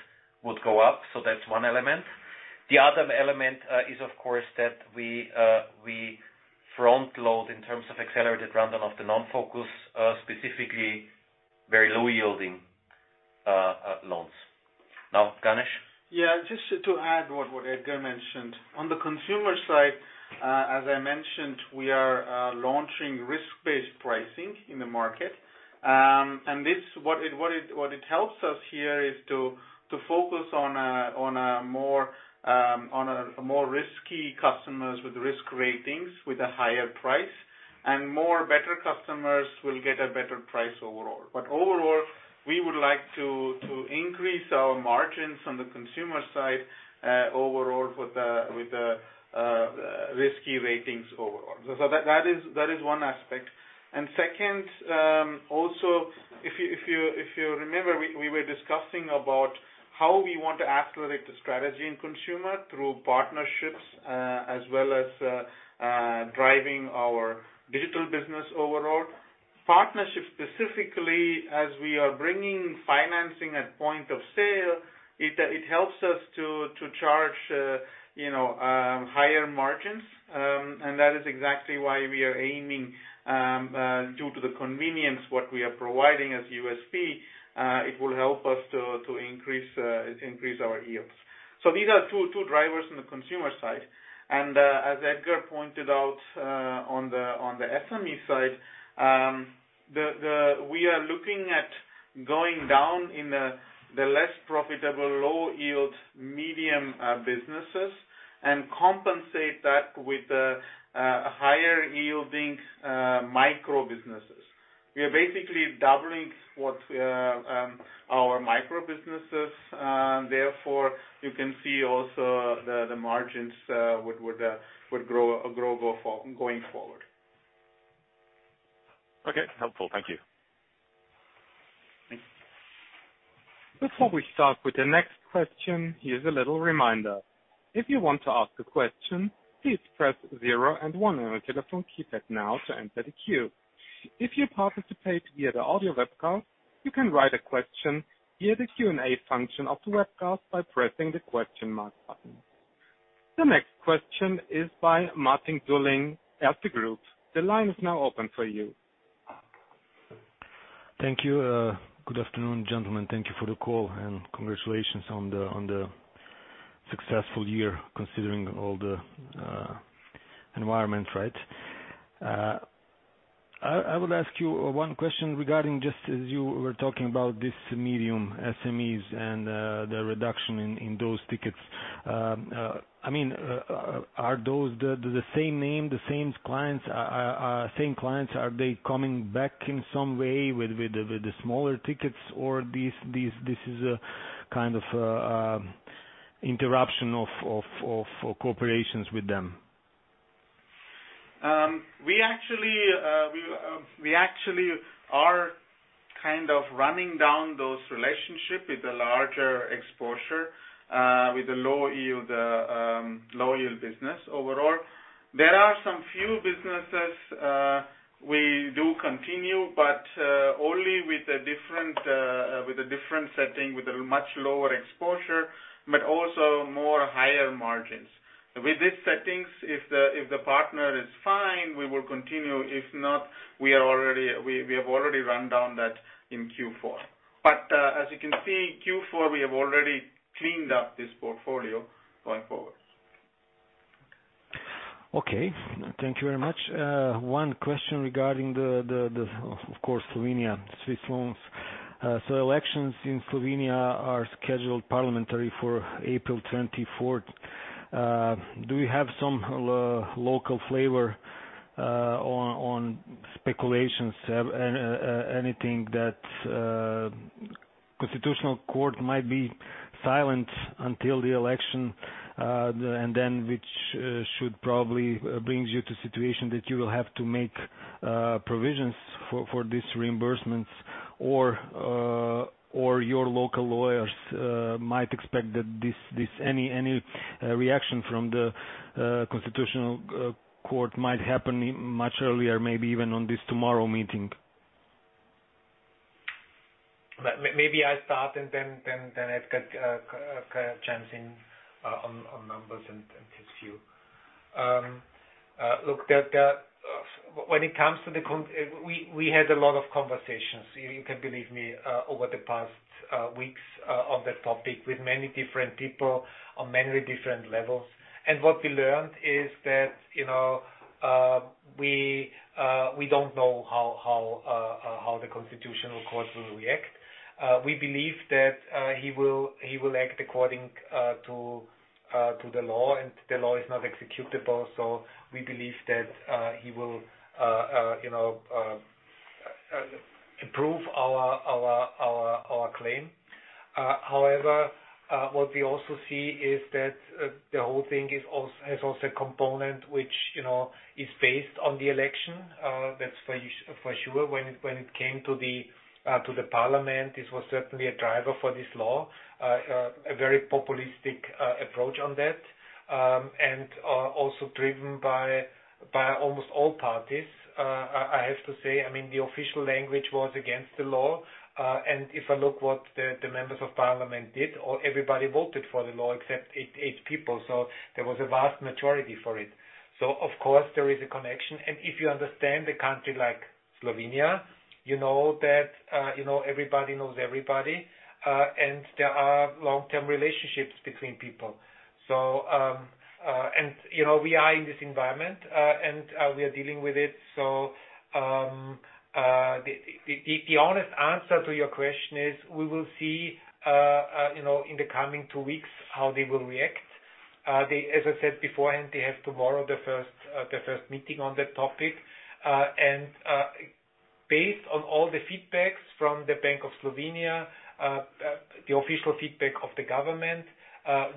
would go up. That's one element. The other element is of course that we front load in terms of accelerated rundown of the non-focus, specifically very low yielding, loans. Now, Ganesh. Yeah. Just to add what Edgar mentioned. On the consumer side, as I mentioned, we are launching risk-based pricing in the market. And this what it helps us here is to focus on a more risky customers with risk ratings with a higher price, and more better customers will get a better price overall. Overall, we would like to increase our margins on the consumer side overall with the risky ratings overall. That is one aspect. Second, also, if you remember, we were discussing about how we want to accelerate the strategy in consumer through partnerships, as well as driving our digital business overall. Partnership specifically, as we are bringing financing at point of sale, it helps us to charge, you know, higher margins. That is exactly why we are aiming due to the convenience what we are providing as USP, it will help us to increase our yields. These are two drivers on the consumer side. As Edgar pointed out, on the SME side, we are looking at going down in the less profitable low yield medium businesses and compensate that with higher yielding micro-businesses. We are basically doubling what our micro-businesses, therefore you can see also the margins would grow going forward. Okay. Helpful. Thank you. Thanks. Before we start with the next question, here's a little reminder. If you want to ask a question, please press zero and one on your telephone keypad now to enter the queue. If you participate via the audio webcast, you can write a question via the Q&A function of the webcast by pressing the question mark button. The next question is by Mladen Dodig, Erste Group. The line is now open for you. Thank you. Good afternoon, gentlemen. Thank you for the call, and congratulations on the successful year, considering all the environment, right? I would ask you one question regarding just as you were talking about this medium SMEs and the reduction in those tickets. I mean, are those the same name, the same clients are same clients, are they coming back in some way with the smaller tickets or this is a kind of interruption of cooperations with them? We actually are kind of running down those relationships with the larger exposures, with the low yield business overall. There are some few businesses we do continue, but only with a different setting, with a much lower exposure, but also much higher margins. With these settings, if the partner is fine, we will continue. If not, we have already run down that in Q4. As you can see, Q4, we have already cleaned up this portfolio going forward. Okay. Thank you very much. One question regarding the of course Slovenian Swiss law. Parliamentary elections in Slovenia are scheduled for April 24th. Do you have some local flavor on speculations, anything that the Constitutional Court might be silent until the election, and then which should probably brings you to situation that you will have to make provisions for this reimbursements, or your local lawyers might expect that this any reaction from the Constitutional Court might happen much earlier, maybe even on this tomorrow meeting? Maybe I start and then Edgar can chime in on numbers and his view. We had a lot of conversations, you can believe me, over the past weeks, on that topic with many different people on many different levels. What we learned is that we don't know how the Constitutional Court will react. We believe that he will act according to the law, and the law is not executable, so we believe that he will approve our claim. However, what we also see is that the whole thing has also a component which, you know, is based on the election. That's for sure when it came to the parliament, this was certainly a driver for this law, a very populist approach on that. And also driven by almost all parties. I have to say, I mean, the official language was against the law. And if I look what the members of parliament did, everybody voted for the law except eight people, so there was a vast majority for it. Of course, there is a connection. If you understand a country like Slovenia, you know that everybody knows everybody, and there are long-term relationships between people. You know, we are in this environment, and we are dealing with it. The honest answer to your question is we will see, you know, in the coming two weeks how they will react. As I said beforehand, they have tomorrow the first meeting on that topic. Based on all the feedback from the Bank of Slovenia, the official feedback of the government,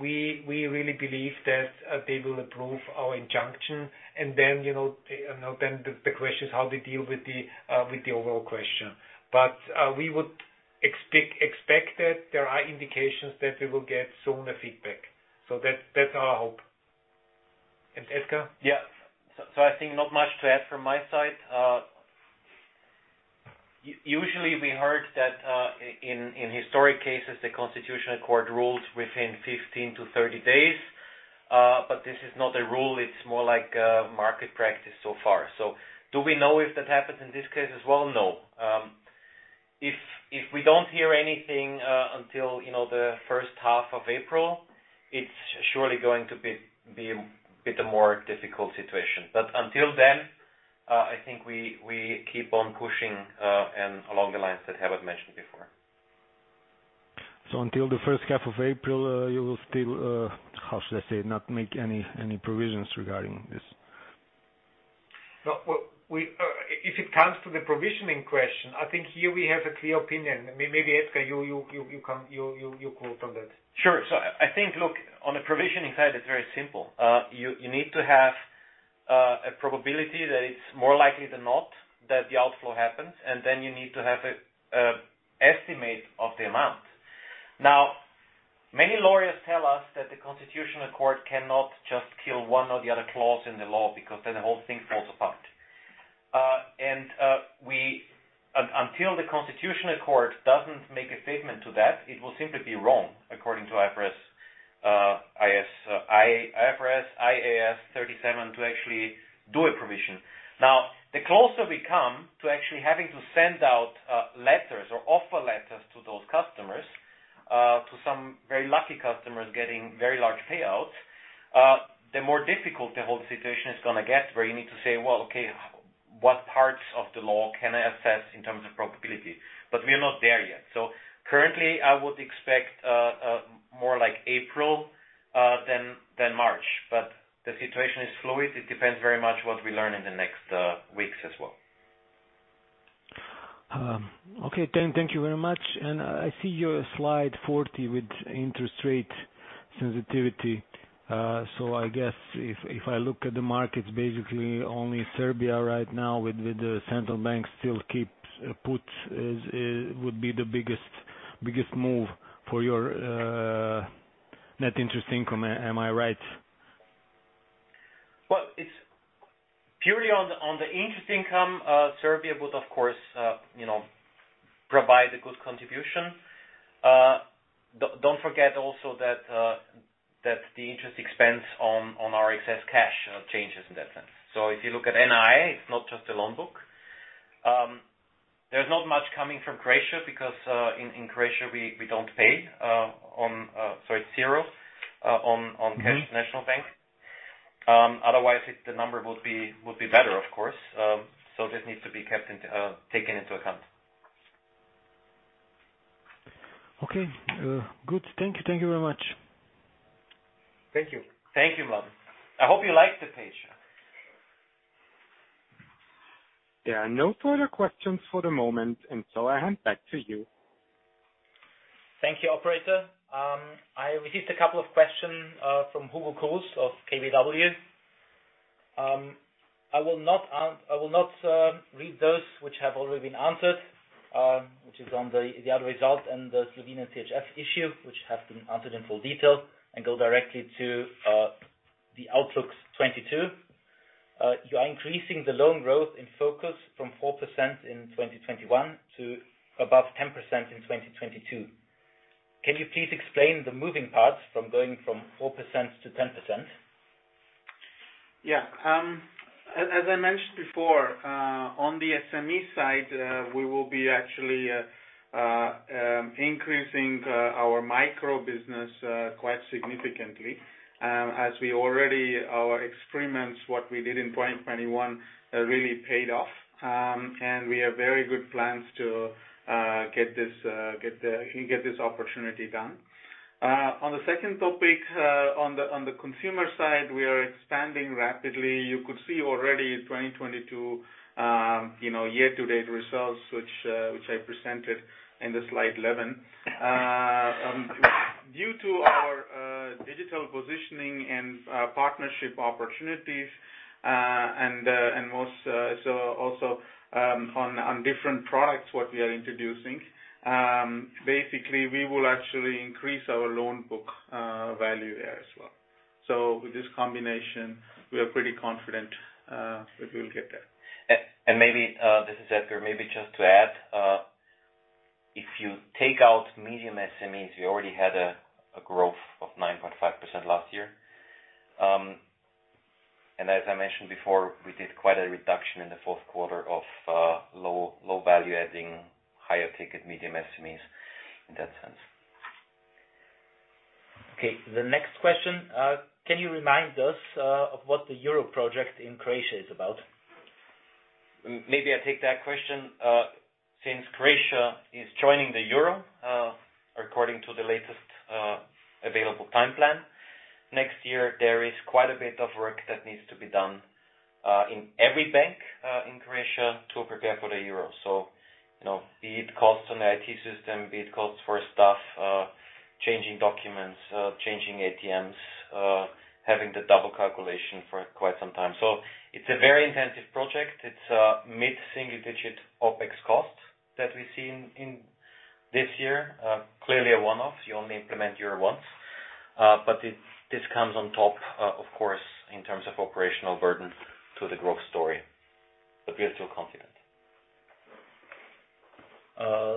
we really believe that they will approve our injunction. Then, you know, the question is how they deal with the overall question. We would expect that there are indications that we will get sooner feedback. That's our hope. Edgar? Yeah. I think not much to add from my side. Usually we heard that in historic cases, the Constitutional Court rules within 15-30 days. This is not a rule, it's more like market practice so far. Do we know if that happens in this case as well? No. If we don't hear anything until you know the first half of April, it's surely going to be a bit more difficult situation. Until then I think we keep on pushing and along the lines that Herbert mentioned before. Until the first half of April, you will still, how should I say, not make any provisions regarding this? No, well, if it comes to the provisioning question, I think here we have a clear opinion. Maybe, Edgar, you comment on that. I think, look, on the provisioning side, it's very simple. You need to have a probability that it's more likely than not that the outflow happens, and then you need to have an estimate of the amount. Now, many lawyers tell us that the Constitutional Court cannot just kill one or the other clause in the law because then the whole thing falls apart. Until the Constitutional Court doesn't make a statement to that, it will simply be wrong, according to IFRS, IAS 37, to actually do a provision. Now, the closer we come to actually having to send out letters or offer letters to those customers, to some very lucky customers getting very large payouts, the more difficult the whole situation is gonna get, where you need to say, "Well, okay, what parts of the law can I assess in terms of probability?" We are not there yet. Currently, I would expect more like April than March. The situation is fluid. It depends very much what we learn in the next weeks as well. Okay. Thank you very much. I see your slide 40 with interest rate sensitivity. So I guess if I look at the markets, basically only Serbia right now with the central bank still keeps put would be the biggest move for your net interest income. Am I right? Well, purely on the interest income, Serbia would, of course, you know, provide a good contribution. Don't forget also that the interest expense on our excess cash changes in that sense. If you look at NII, it's not just the loan book. There's not much coming from Croatia because in Croatia, we don't pay on. It's zero on cash Mm-hmm. national bank. Otherwise the number would be better, of course. This needs to be taken into account. Okay. Good. Thank you. Thank you very much. Thank you. Thank you, Mladen. I hope you like the page. There are no further questions for the moment, and so I hand back to you. Thank you, operator. I received a couple of questions from Hugo Cruz of KBW. I will not read those which have already been answered, which is on the other result and the Slovenia CHF issue, which have been answered in full detail, and go directly to the outlook 2022. You are increasing the loan growth in focus from 4% in 2021 to above 10% in 2022. Can you please explain the moving parts from going from 4% to 10%? As I mentioned before, on the SME side, we will be actually increasing our micro business quite significantly, as we already our experiments, what we did in 2021, really paid off. We have very good plans to get this opportunity done. On the second topic, on the consumer side, we are expanding rapidly. You could see already in 2022 year-to-date results which I presented in the slide 11. Due to our digital positioning and partnership opportunities, and also on different products what we are introducing, basically, we will actually increase our loan book value there as well. With this combination, we are pretty confident that we'll get there. Maybe this is Edgar, maybe just to add, if you take out medium SMEs, we already had a growth of 9.5% last year. As I mentioned before, we did quite a reduction in the fourth quarter of low value adding higher ticket medium SMEs in that sense. Okay. The next question, can you remind us of what the Euro project in Croatia is about? Maybe I take that question. Since Croatia is joining the euro, according to the latest available time plan, next year, there is quite a bit of work that needs to be done in every bank in Croatia to prepare for the euro. You know, be it costs on the IT system, be it costs for staff, changing documents, changing ATMs, having the double calculation for quite some time. It's a very intensive project. It's mid-single digit OpEx cost that we see in this year. Clearly a one-off. You only implement euro once. But this comes on top, of course, in terms of operational burden to the growth story. We are still confident.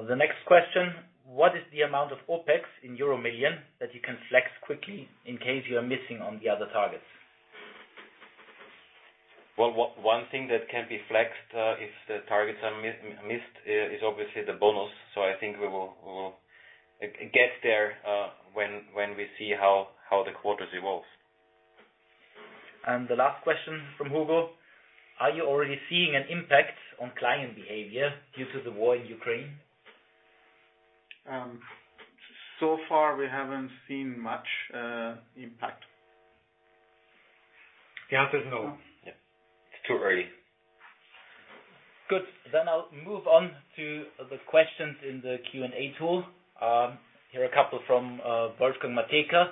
The next question, what is the amount of OpEx in euro million that you can flex quickly in case you are missing on the other targets? Well, one thing that can be flexed is obviously the bonus. I think we will get there when we see how the quarters evolves. The last question from Hugo, are you already seeing an impact on client behavior due to the war in Ukraine? So far, we haven't seen much impact. The answer is no. Yeah. It's too early. Good. I'll move on to the questions in the Q&A tool. Here are a couple from Wolfgang Matejka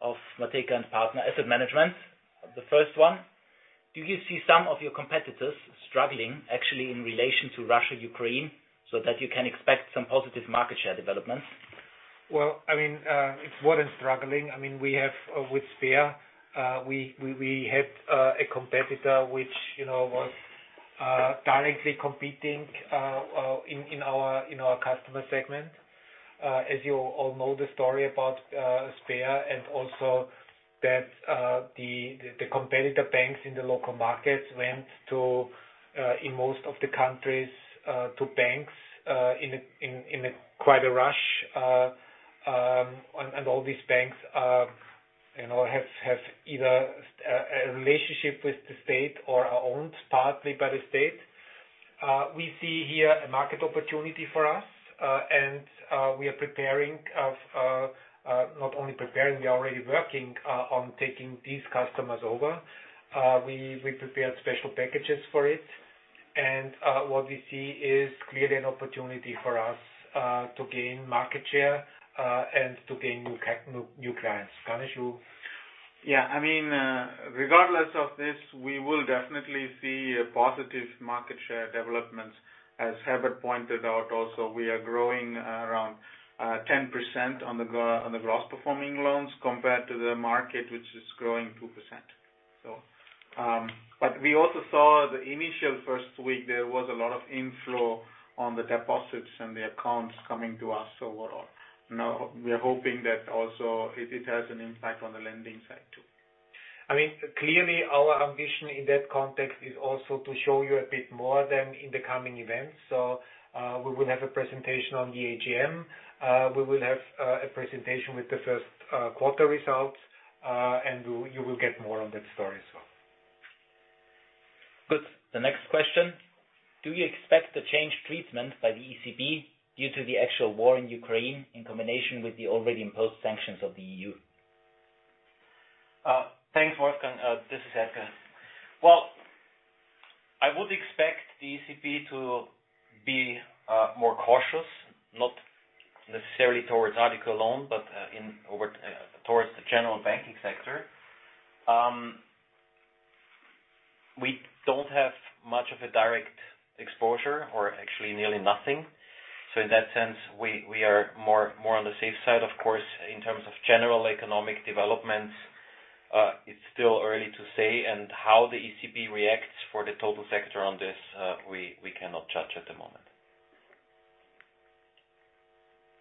of Matejka & Partner Asset Management. The first one, do you see some of your competitors struggling actually in relation to Russia, Ukraine, so that you can expect some positive market share developments? Well, I mean, it wasn't struggling. I mean, with Sber we had a competitor which, you know, was directly competing in our customer segment. As you all know the story about Sber and also that the competitor banks in the local markets went to banks in most of the countries in quite a rush. All these banks, you know, have either a relationship with the state or are owned partly by the state. We see here a market opportunity for us, and we are preparing for, not only preparing, we are already working on taking these customers over. We prepared special packages for it. What we see is clearly an opportunity for us to gain market share and to gain new clients. Ganesh, you... Yeah. I mean, regardless of this, we will definitely see a positive market share developments. As Herbert pointed out also, we are growing around 10% on the gross performing loans compared to the market, which is growing 2%. We also saw the initial first week, there was a lot of inflow on the deposits and the accounts coming to us overall. Now we are hoping that also it has an impact on the lending side, too. I mean, clearly, our ambition in that context is also to show you a bit more than in the coming events. We will have a presentation on the AGM. We will have a presentation with the first quarter results, and you will get more on that story as well. Good. The next question, do you expect the changed treatment by the ECB due to the actual war in Ukraine in combination with the already imposed sanctions of the EU? Thanks, Wolfgang. This is Edgar. Well, I would expect the ECB to be more cautious, not necessarily towards Addiko alone, but overall towards the general banking sector. We don't have much of a direct exposure or actually nearly nothing. So in that sense, we are more on the safe side. Of course, in terms of general economic developments, it's still early to say and how the ECB reacts for the total sector on this, we cannot judge at the moment.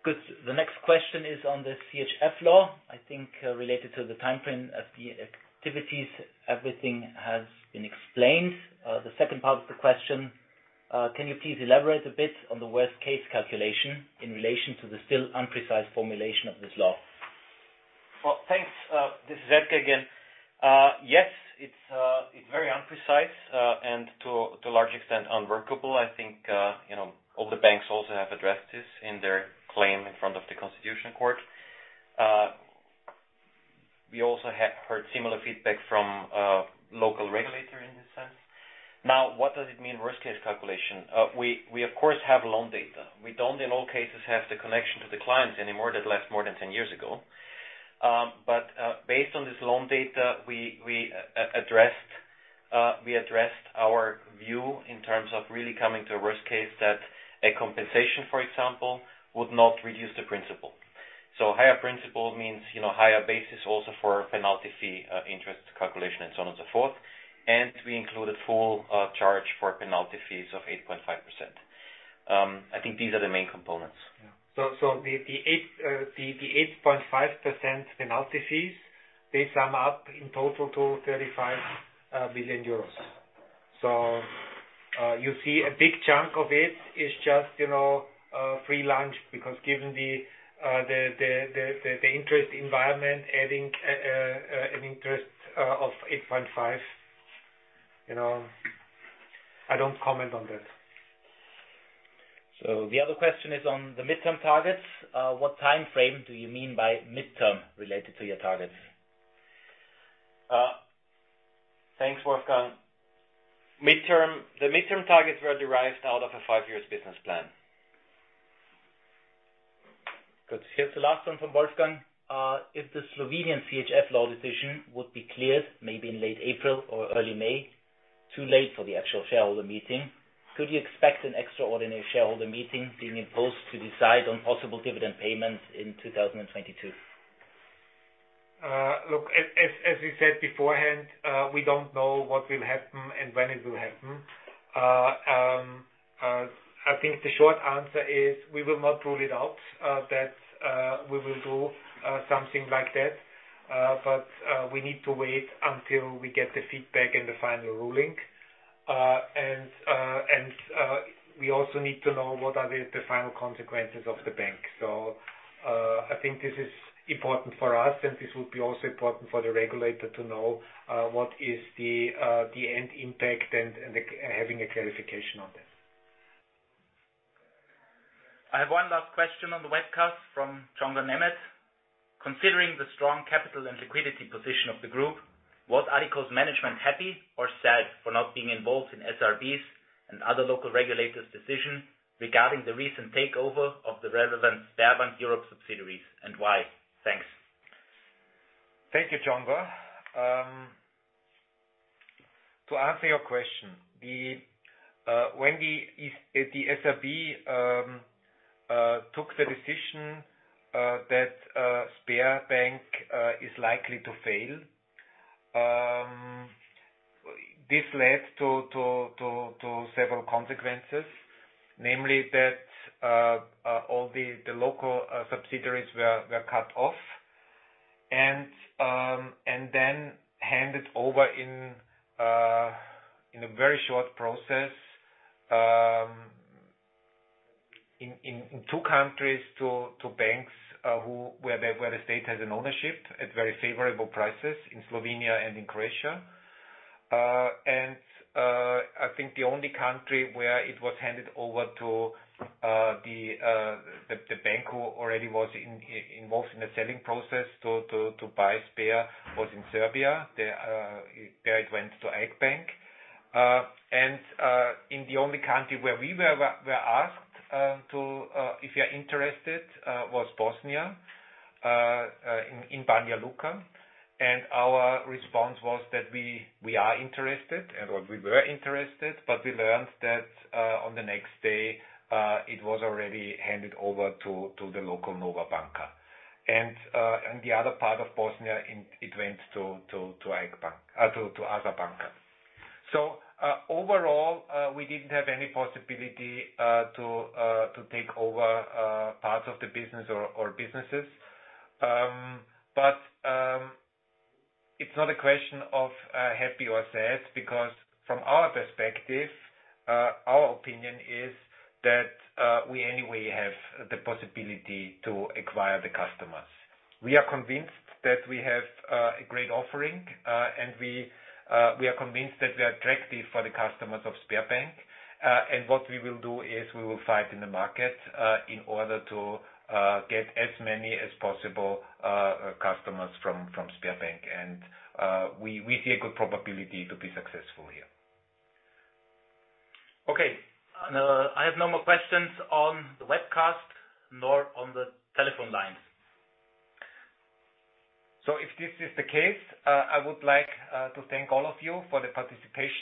Good. The next question is on the CHF law, I think, related to the timeframe of the activities. Everything has been explained. The second part of the question, can you please elaborate a bit on the worst-case calculation in relation to the still imprecise formulation of this law? Well, thanks. This is Edgar again. Yes, it's very imprecise, and to a large extent, unworkable. I think, you know, all the banks also have addressed this in their claim in front of the Constitutional Court. We also have heard similar feedback from local regulator in this sense. Now, what does it mean, worst case calculation? We, of course, have loan data. We don't in all cases have the connection to the clients anymore that last more than 10 years ago. Based on this loan data, we addressed our view in terms of really coming to a worst case that a compensation, for example, would not reduce the principal. Higher principal means, you know, higher basis also for penalty fee, interest calculation, and so on and so forth. We include a full charge for penalty fees of 8.5%. I think these are the main components. The 8.5% penalty fees, they sum up in total to 35 billion euros. You see a big chunk of it is just, you know, free lunch, because given the interest environment adding an interest of 8.5%, you know, I don't comment on that. The other question is on the midterm targets. What time frame do you mean by midterm related to your targets? Thanks, Wolfgang. The midterm targets were derived out of a five-year business plan. Good. Here's the last one from Wolfgang. If the Slovenian CHF law decision would be cleared maybe in late April or early May, too late for the actual shareholder meeting, could you expect an extraordinary shareholder meeting being imposed to decide on possible dividend payments in 2022? Look, as we said beforehand, we don't know what will happen and when it will happen. I think the short answer is we will not rule it out that we will do something like that. We need to wait until we get the feedback and the final ruling. We also need to know what are the final consequences of the bank. I think this is important for us, and this will be also important for the regulator to know what is the end impact and having a clarification on that. I have one last question on the webcast from Csongor Németh. Considering the strong capital and liquidity position of the group, was Addiko's management happy or sad for not being involved in SRB's and other local regulators' decision regarding the recent takeover of the relevant Sberbank Europe subsidiaries, and why? Thanks. Thank you, Csongor. To answer your question, the SRB took the decision that Sberbank is likely to fail. This led to several consequences, namely that all the local subsidiaries were cut off and then handed over in a very short process in two countries to banks where the state has an ownership at very favorable prices in Slovenia and in Croatia. I think the only country where it was handed over to the bank who already was involved in the selling process to buy Sber was in Serbia. There it went to AIK Banka. In the only country where we were asked if you're interested was Bosnia in Banja Luka. Our response was that we are interested, or we were interested, but we learned that on the next day it was already handed over to the local Nova Banka. The other part of Bosnia, it went to ASA Banka. Overall, we didn't have any possibility to take over parts of the business or businesses. It's not a question of happy or sad because from our perspective, our opinion is that we anyway have the possibility to acquire the customers. We are convinced that we have a great offering, and we are convinced that we are attractive for the customers of Sberbank. What we will do is we will fight in the market in order to get as many as possible customers from Sberbank and we see a good probability to be successful here. Okay. I have no more questions on the webcast nor on the telephone lines. If this is the case, I would like to thank all of you for the participation.